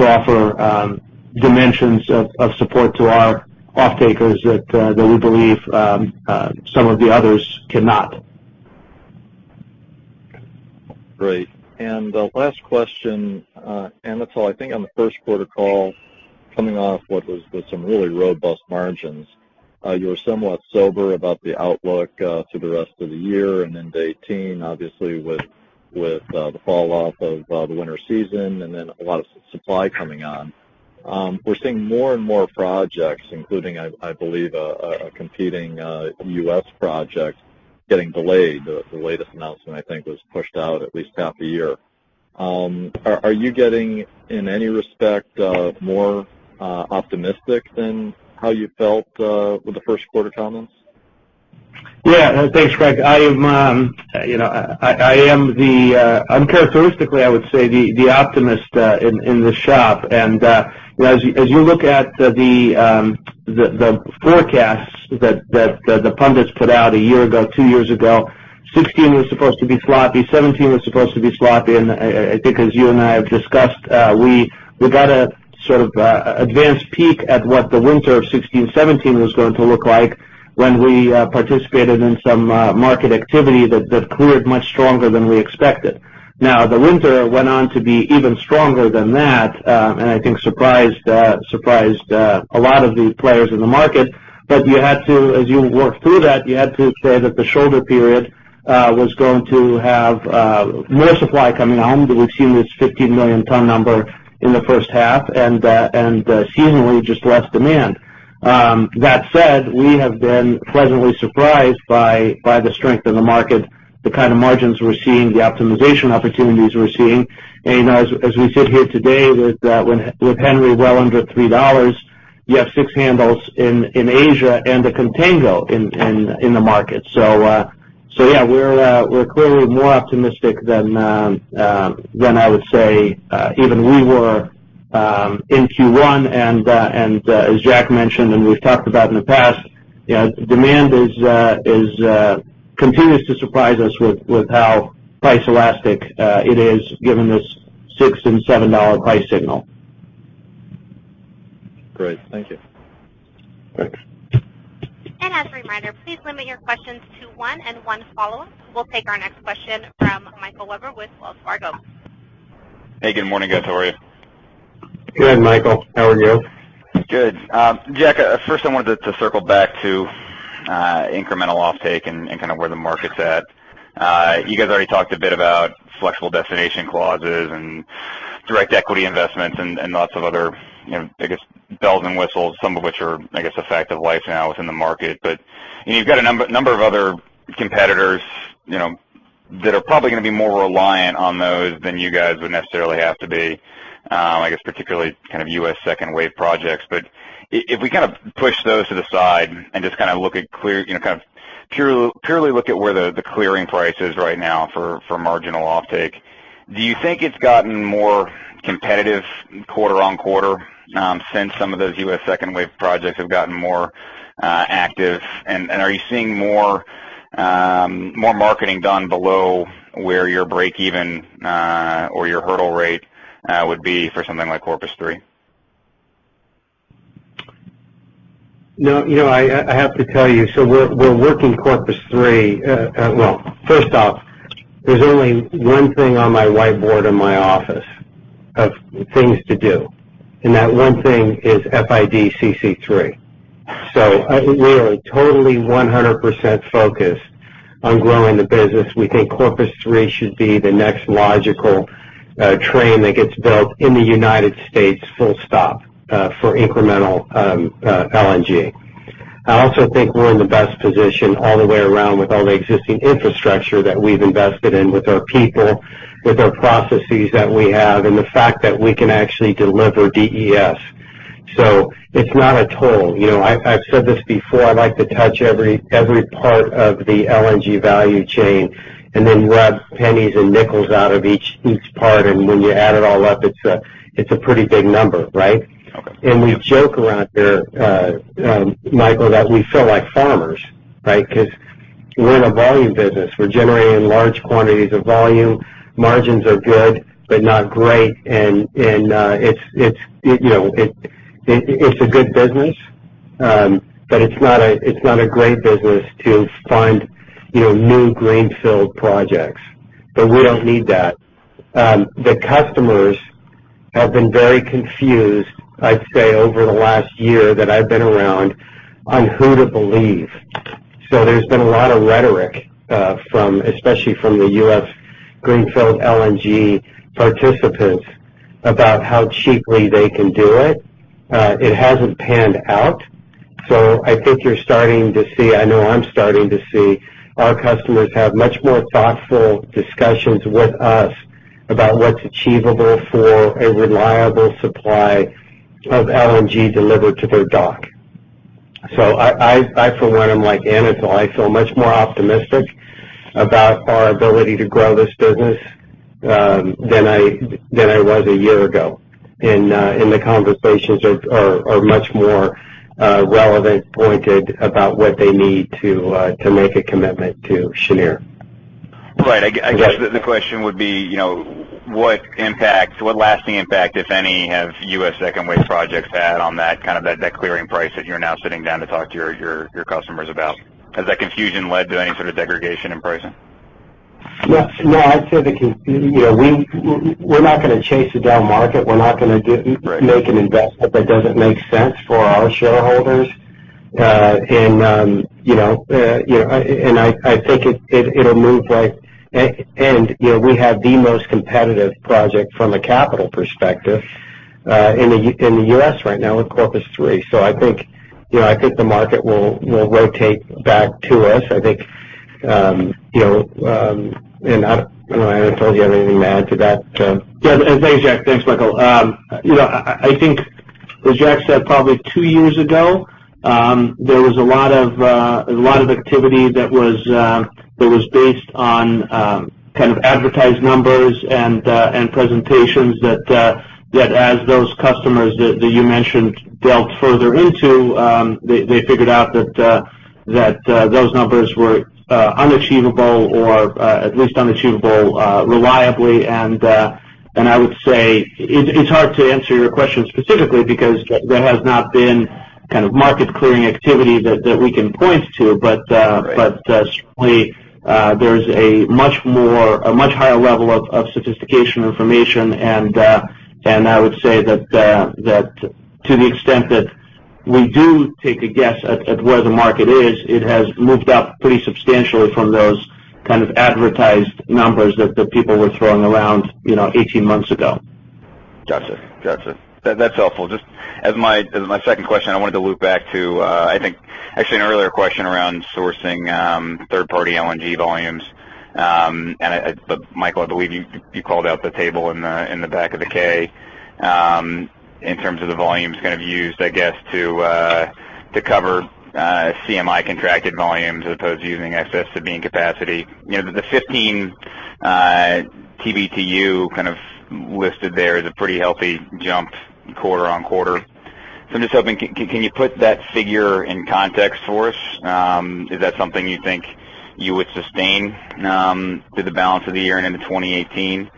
offer dimensions of support to our off-takers that we believe some of the others cannot. Last question. Anatol, I think on the first quarter call, coming off what was some really robust margins, you were somewhat sober about the outlook for the rest of the year, and into 2018, obviously, with the fall-off of the winter season and then a lot of supply coming on. We're seeing more and more projects, including, I believe, a competing U.S. project getting delayed. The latest announcement, I think, was pushed out at least half a year. Are you getting, in any respect, more optimistic than how you felt with the first quarter comments? Thanks, Craig. I am, uncharacteristically, I would say, the optimist in this shop. As you look at the forecasts that the pundits put out a year ago, two years ago, 2016 was supposed to be sloppy, 2017 was supposed to be sloppy, I think as you and I have discussed, we got a sort of advanced peek at what the winter of 2016-2017 was going to look like when we participated in some market activity that cleared much stronger than we expected. Now, the winter went on to be even stronger than that, I think surprised a lot of the players in the market. As you work through that, you had to say that the shoulder period was going to have more supply coming on, because we've seen this 15 million ton number in the first half, and seasonally, just less demand. That said, we have been pleasantly surprised by the strength of the market, the kind of margins we're seeing, the optimization opportunities we're seeing. As we sit here today with Henry Hub under $3, you have 6 handles in Asia and a contango in the market. We're clearly more optimistic than, I would say, even we were in Q1. As Jack mentioned, and we've talked about in the past, demand continues to surprise us with how price elastic it is given this 6 and $7 price signal. Great. Thank you. Thanks. As a reminder, please limit your questions to one and one follow-up. We'll take our next question from Michael Webber with Wells Fargo. Hey, good morning, guys. How are you? Good, Michael. How are you? Good. Jack, first I wanted to circle back to incremental offtake and where the market's at. You guys already talked a bit about flexible destination clauses and direct equity investments and lots of other, I guess, bells and whistles, some of which are, I guess, a fact of life now within the market. You've got a number of other competitors that are probably going to be more reliant on those than you guys would necessarily have to be, I guess, particularly U.S. second wave projects. If we push those to the side and just purely look at where the clearing price is right now for marginal offtake, do you think it's gotten more competitive quarter-on-quarter since some of those U.S. second wave projects have gotten more active? Are you seeing more marketing done below where your break-even or your hurdle rate would be for something like Corpus 3? I have to tell you, we're working Corpus 3. First off, there's only one thing on my whiteboard in my office of things to do, and that one thing is FID CC3. We are totally 100% focused On growing the business. We think Corpus Three should be the next logical train that gets built in the United States, full stop, for incremental LNG. I also think we're in the best position all the way around with all the existing infrastructure that we've invested in with our people, with our processes that we have, and the fact that we can actually deliver DES. It's not a toll. I've said this before, I'd like to touch every part of the LNG value chain and then rub pennies and nickels out of each part. When you add it all up, it's a pretty big number, right? Okay. We joke around here, Michael, that we feel like farmers, because we're in a volume business. We're generating large quantities of volume. Margins are good, but not great. It's a good business, but it's not a great business to fund new greenfield projects. We don't need that. The customers have been very confused, I'd say, over the last year that I've been around, on who to believe. There's been a lot of rhetoric, especially from the U.S. greenfield LNG participants, about how cheaply they can do it. It hasn't panned out. I think you're starting to see I know I'm starting to see our customers have much more thoughtful discussions with us about what's achievable for a reliable supply of LNG delivered to their dock. I, for one, I'm like Anatol. I feel much more optimistic about our ability to grow this business than I was a year ago. The conversations are much more relevant, pointed about what they need to make a commitment to Cheniere. Right. I guess the question would be, what lasting impact, if any, have U.S. second wave projects had on that clearing price that you're now sitting down to talk to your customers about? Has that confusion led to any sort of degradation in pricing? No. We're not going to chase a down market. We're not going to Right make an investment that doesn't make sense for our shareholders. I think it'll move like We have the most competitive project from a capital perspective in the U.S. right now with Corpus Three. I think the market will rotate back to us. I think, Anatol, do you have anything to add to that? Yeah. Thanks, Jack. Thanks, Michael. I think, as Jack said, probably two years ago, there was a lot of activity that was based on advertised numbers and presentations that as those customers that you mentioned delved further into, they figured out that those numbers were unachievable or at least unachievable reliably. I would say it's hard to answer your question specifically because there has not been market clearing activity that we can point to. Right. Certainly, there's a much higher level of sophistication information. I would say that to the extent that we do take a guess at where the market is, it has moved up pretty substantially from those advertised numbers that people were throwing around 18 months ago. Got you. That's helpful. Just as my second question, I wanted to loop back to, I think, actually an earlier question around sourcing third-party LNG volumes. Michael, I believe you called out the table in the back of the K in terms of the volumes used, I guess, to cover CMI contracted volumes as opposed to using excess Sabine capacity. The 15 TBtu listed there is a pretty healthy jump quarter-on-quarter. I'm just hoping, can you put that figure in context for us? Is that something you think you would sustain through the balance of the year and into 2018?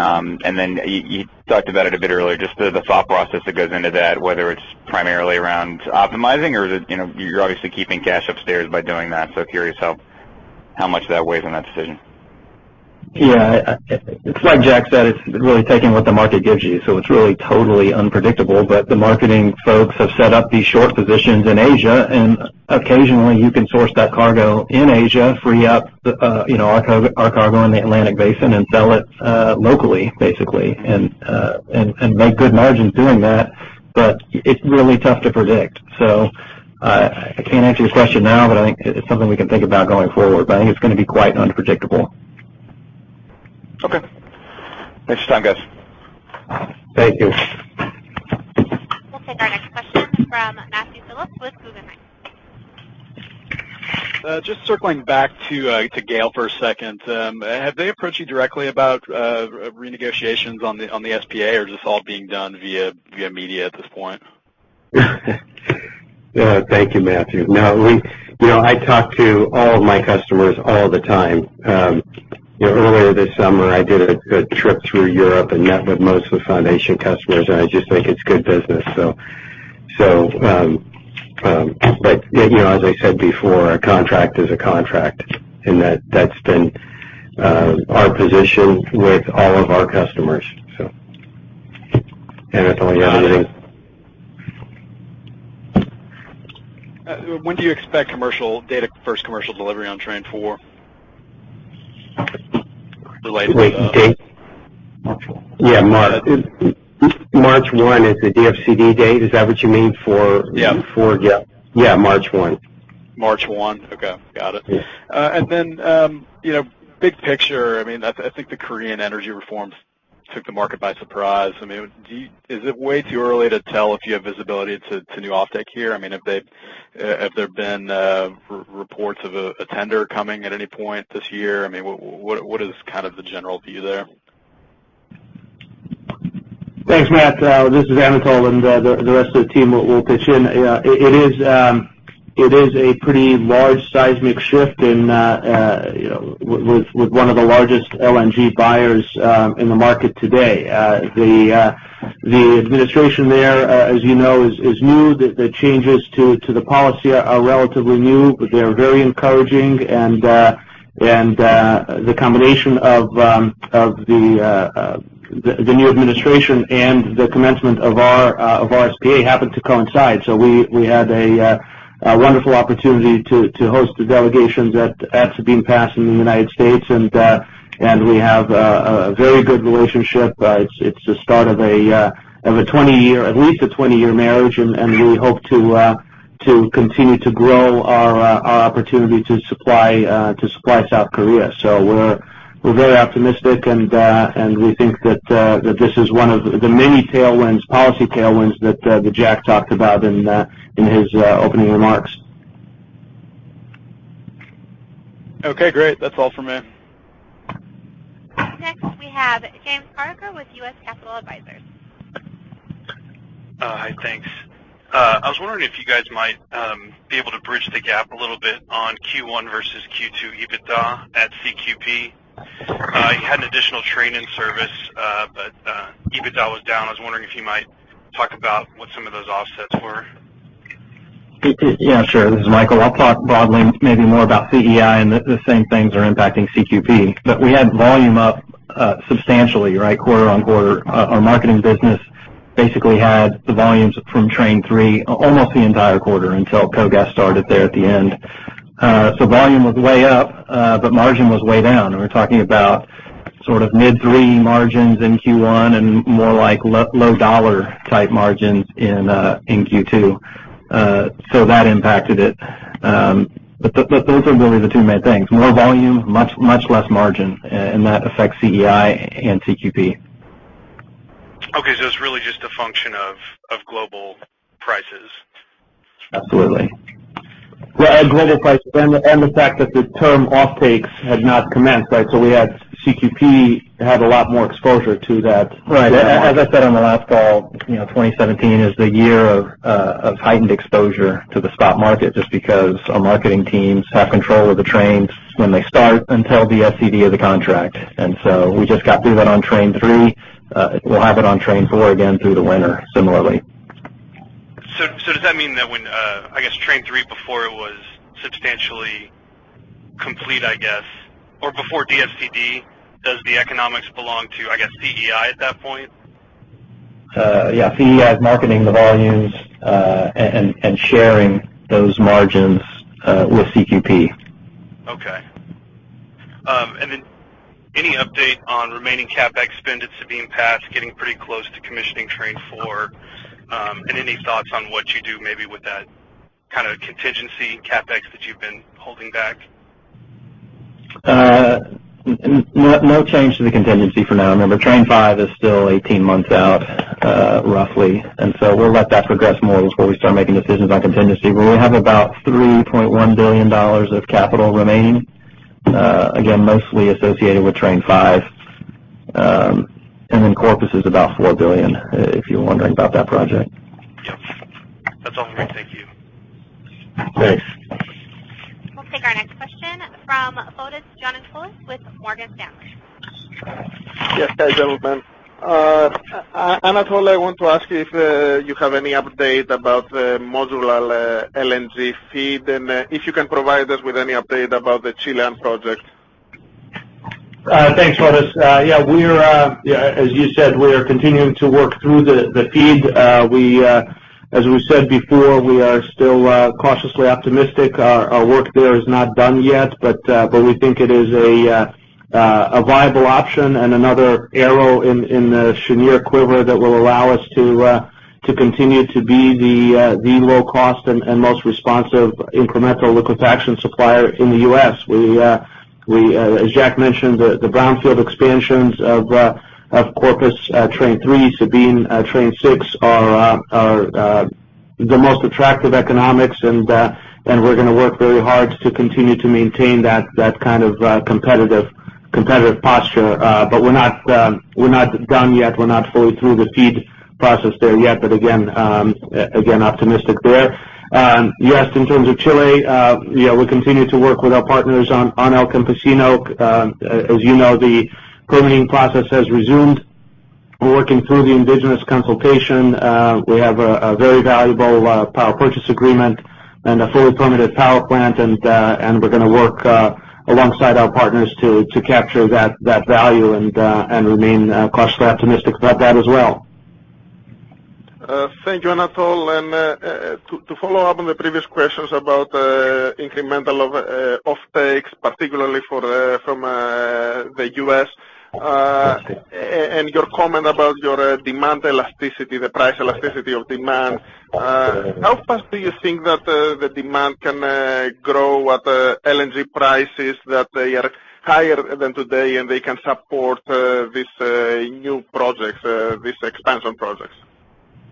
Then you talked about it a bit earlier, just the thought process that goes into that, whether it's primarily around optimizing or you're obviously keeping cash upstairs by doing that. Curious how much that weighs in that decision. Yeah. It's like Jack said, it's really taking what the market gives you. It's really totally unpredictable. The marketing folks have set up these short positions in Asia, occasionally you can source that cargo in Asia, free up our cargo in the Atlantic Basin and sell it locally, basically, and make good margins doing that. It's really tough to predict. I can't answer your question now, I think it's something we can think about going forward. I think it's going to be quite unpredictable. Okay. Thanks for your time, guys. Thank you. We'll take our next question from Matthew Phillips with Guggenheim. Just circling back to GAIL for a second. Have they approached you directly about renegotiations on the SPA, or is this all being done via media at this point? Thank you, Matthew. No. I talk to all of my customers all the time. Earlier this summer, I did a trip through Europe and met with most of the foundation customers, I just think it's good business. As I said before, a contract is a contract, and that's been our position with all of our customers. Anatol, you have anything? When do you expect first commercial delivery on train 4? Wait, date? March one. Yeah, March. March 1 is the DFCD date. Is that what you mean for Yeah. Yeah, March 1. March 1. Okay, got it. Yeah. Big picture, I think the Korean energy reforms took the market by surprise. Is it way too early to tell if you have visibility to new offtake here? Have there been reports of a tender coming at any point this year? What is the general view there? Thanks, Matt. This is Anatol, and the rest of the team will pitch in. It is a pretty large seismic shift with one of the largest LNG buyers in the market today. The administration there, as you know, is new. The changes to the policy are relatively new, but they're very encouraging. The combination of the new administration and the commencement of our SPA happened to coincide. We had a wonderful opportunity to host the delegations at Sabine Pass Liquefaction in the U.S., and we have a very good relationship. It's the start of at least a 20-year marriage, and we hope to continue to grow our opportunity to supply South Korea. We're very optimistic, and we think that this is one of the many policy tailwinds that Jack talked about in his opening remarks. Okay, great. That's all for me. Next, we have James Parker with U.S. Capital Advisors. Hi, thanks. I was wondering if you guys might be able to bridge the gap a little bit on Q1 versus Q2 EBITDA at CQP. You had an additional train in service, but EBITDA was down. I was wondering if you might talk about what some of those offsets were. Yes, sure. This is Michael. I will talk broadly maybe more about CEI and the same things are impacting CQP. We had volume up substantially quarter-over-quarter. Our marketing business basically had the volumes from train three almost the entire quarter until KOGAS started there at the end. Volume was way up, margin was way down. We are talking about mid-three margins in Q1 and more like low dollar type margins in Q2. That impacted it. Those are really the two main things, more volume, much less margin, and that affects CEI and CQP. Okay. It is really just a function of global prices. Absolutely. Global prices and the fact that the term offtakes had not commenced, right? We had CQP have a lot more exposure to that. Right. As I said on the last call, 2017 is the year of heightened exposure to the spot market, just because our marketing teams have control of the trains when they start until the SCD of the contract. We just got through that on train three. We will have it on train four again through the winter, similarly. Does that mean that when train 3 before it was substantially complete, or before DFCD, does the economics belong to CEI at that point? CEI is marketing the volumes, and sharing those margins with CQP. Any update on remaining CapEx spend at Sabine Pass getting pretty close to commissioning train 4? Any thoughts on what you do maybe with that kind of contingency CapEx that you've been holding back? No change to the contingency for now. Remember, train 5 is still 18 months out, roughly. We'll let that progress more before we start making decisions on contingency. We have about $3.1 billion of capital remaining. Again, mostly associated with train 5. Corpus is about $4 billion, if you're wondering about that project. Yep. That's all for me. Thank you. Thanks. We'll take our next question from Fotis Giannakoulis with Morgan Stanley. Yes. Hi, gentlemen. Anatol, I want to ask you if you have any update about the modular LNG FEED and if you can provide us with any update about the Chile project. Thanks, Fotis. Yeah, as you said, we are continuing to work through the FEED. As we said before, we are still cautiously optimistic. Our work there is not done yet, but we think it is a viable option and another arrow in the Cheniere quiver that will allow us to continue to be the low cost and most responsive incremental liquefaction supplier in the U.S. As Jack mentioned, the brownfield expansions of Corpus train 3, Sabine train 6 are the most attractive economics, and we're going to work very hard to continue to maintain that kind of competitive posture. We're not done yet. We're not fully through the FEED process there yet. Again, optimistic there. Yes, in terms of Chile, we continue to work with our partners on El Campesino. As you know, the permitting process has resumed. We're working through the indigenous consultation. We have a very valuable power purchase agreement. A fully permitted power plant, we're going to work alongside our partners to capture that value and remain cautiously optimistic about that as well. Thank you, Anatol. To follow up on the previous questions about incremental offtakes, particularly from the U.S. Your comment about your demand elasticity, the price elasticity of demand. How fast do you think that the demand can grow at LNG prices that they are higher than today, and they can support these new projects, these expansion projects?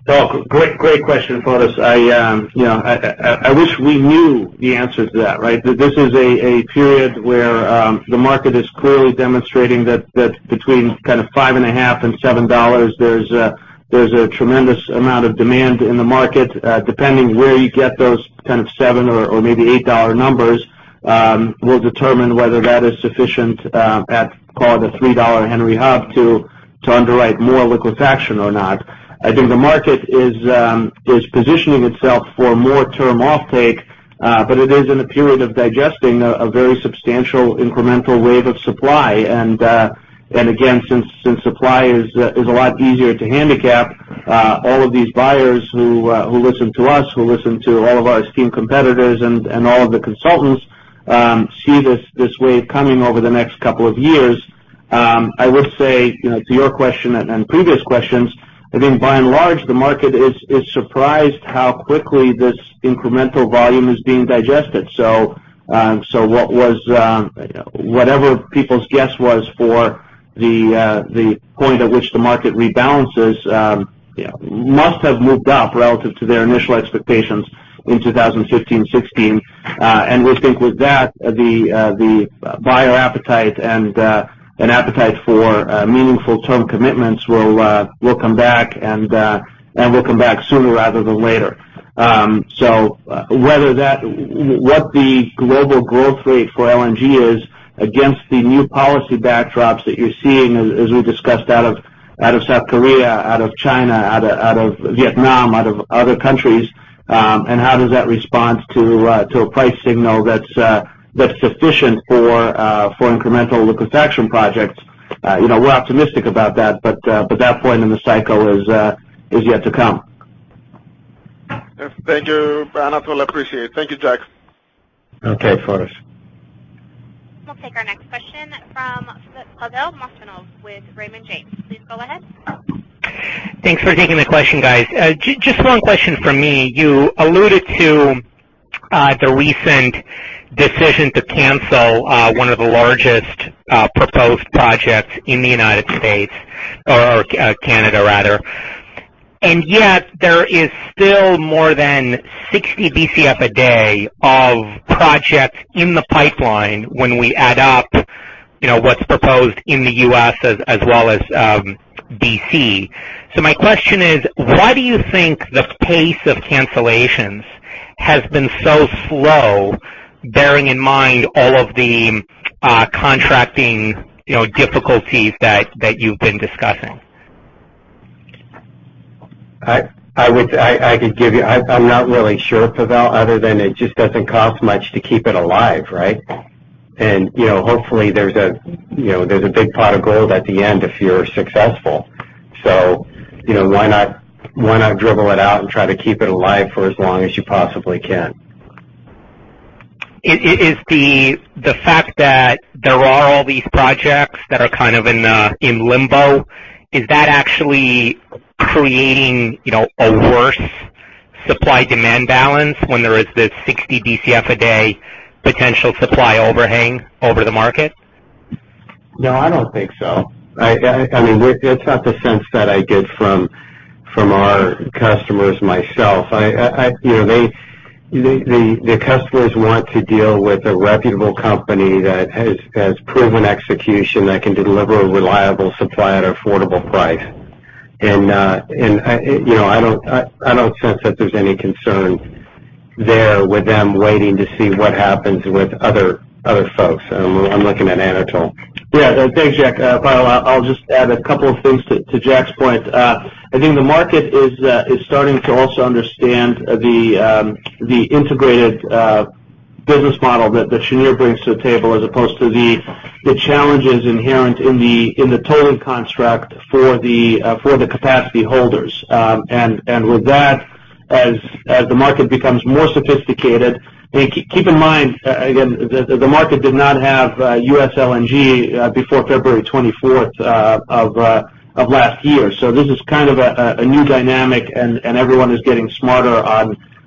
Oh, great question, Fotis. I wish we knew the answer to that, right? This is a period where the market is clearly demonstrating that between kind of $5.5-$7, there's a tremendous amount of demand in the market. Depending where you get those kind of $7 or maybe $8 numbers, will determine whether that is sufficient at call it a $3 Henry Hub to underwrite more liquefaction or not. I think the market is positioning itself for more term offtake, but it is in a period of digesting a very substantial incremental wave of supply. Again, since supply is a lot easier to handicap all of these buyers who listen to us, who listen to all of our esteemed competitors and all of the consultants, see this wave coming over the next couple of years. I would say, to your question and previous questions, I think by and large, the market is surprised how quickly this incremental volume is being digested. Whatever people's guess was for the point at which the market rebalances must have moved up relative to their initial expectations in 2015-16. We think with that, the buyer appetite and appetite for meaningful term commitments will come back, will come back sooner rather than later. What the global growth rate for LNG is against the new policy backdrops that you're seeing, as we discussed out of South Korea, out of China, out of Vietnam, out of other countries, how does that respond to a price signal that's sufficient for incremental liquefaction projects? We're optimistic about that, but that point in the cycle is yet to come. Thank you, Anatol. I appreciate it. Thank you, Jack. Okay, Fotis. We'll take our next question from Pavel Molchanov with Raymond James. Please go ahead. Thanks for taking the question, guys. Just one question from me. You alluded to the recent decision to cancel one of the largest proposed projects in the U.S., or Canada rather. Yet there is still more than 60 BCF a day of projects in the pipeline when we add up what's proposed in the U.S. as well as B.C. My question is, why do you think the pace of cancellations has been so slow, bearing in mind all of the contracting difficulties that you've been discussing? I'm not really sure, Pavel, other than it just doesn't cost much to keep it alive, right? Hopefully there's a big pot of gold at the end if you're successful. Why not dribble it out and try to keep it alive for as long as you possibly can? Is the fact that there are all these projects that are kind of in limbo, is that actually creating a worse supply-demand balance when there is this 60 BCF a day potential supply overhang over the market? No, I don't think so. That's not the sense that I get from our customers myself. The customers want to deal with a reputable company that has proven execution, that can deliver a reliable supply at an affordable price. I don't sense that there's any concern there with them waiting to see what happens with other folks. I'm looking at Anatol. Yeah. Thanks, Jack. Pavel, I'll just add a couple of things to Jack's point. I think the market is starting to also understand the integrated business model that Cheniere brings to the table as opposed to the challenges inherent in the tolling construct for the capacity holders. With that, as the market becomes more sophisticated, keep in mind, again, the market did not have U.S. LNG before February 24th of last year. This is kind of a new dynamic, everyone is getting smarter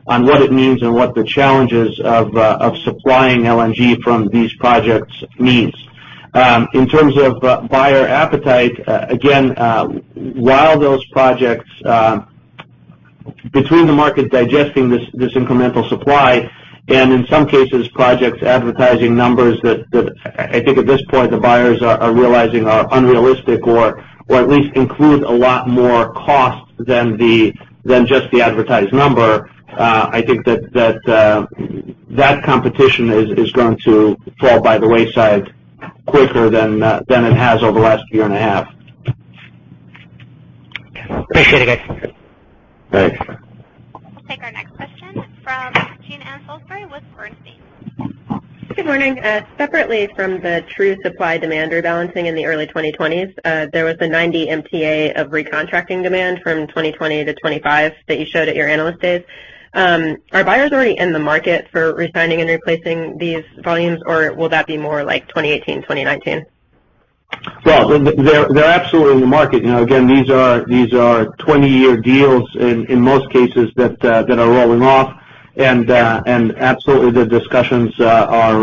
on what it means and what the challenges of supplying LNG from these projects means. In terms of buyer appetite, again, while those projects between the market digesting this incremental supply, and in some cases, projects advertising numbers that I think at this point, the buyers are realizing are unrealistic or at least include a lot more cost than just the advertised number. I think that competition is going to fall by the wayside quicker than it has over the last year and a half. Appreciate it, guys. Thanks. We'll take our next question from Jean Ann Salisbury with Bernstein. Good morning. Separately from the true supply-demand rebalancing in the early 2020s, there was a 90 MTPA of recontracting demand from 2020 to 2025 that you showed at your Analyst Day. Are buyers already in the market for resigning and replacing these volumes, or will that be more like 2018, 2019? Well, they're absolutely in the market. Again, these are 20-year deals in most cases that are rolling off. Absolutely, the discussions are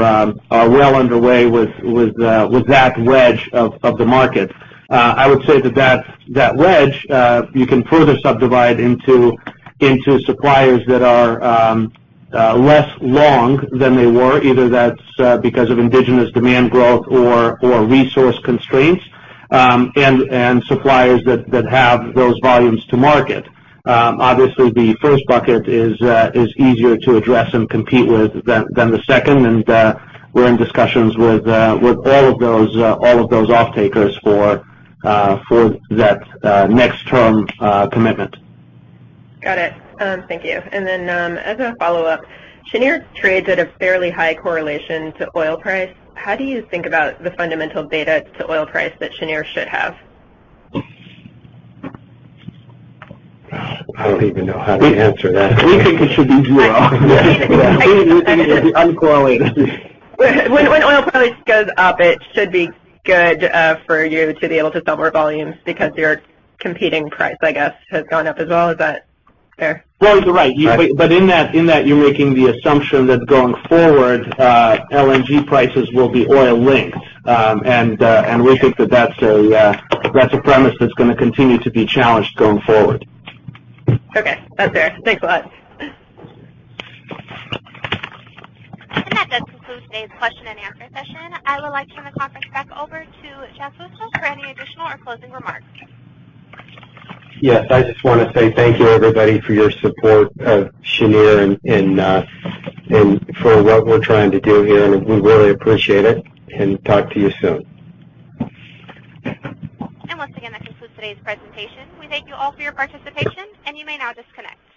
well underway with that wedge of the market. I would say that that wedge you can further subdivide into suppliers that are less long than they were, either that's because of indigenous demand growth or resource constraints, and suppliers that have those volumes to market. Obviously, the first bucket is easier to address and compete with than the second. We're in discussions with all of those off-takers for that next term commitment. Got it. Thank you. Then as a follow-up, Cheniere trades at a fairly high correlation to oil price. How do you think about the fundamental beta to oil price that Cheniere should have? I don't even know how to answer that. We think it should be zero. Yeah. It should be uncorrelating. When oil price goes up, it should be good for you to be able to sell more volumes because your competing price, I guess, has gone up as well. Is that fair? Well, you're right. Right. In that, you're making the assumption that going forward, LNG prices will be oil-linked. We think that that's a premise that's going to continue to be challenged going forward. Okay, that's fair. Thanks a lot. That does conclude today's question and answer session. I would like to turn the conference back over to Jack Fusco for any additional or closing remarks. Yes. I just want to say thank you, everybody, for your support of Cheniere and for what we're trying to do here, and we really appreciate it, and talk to you soon. Once again, that concludes today's presentation. We thank you all for your participation, and you may now disconnect.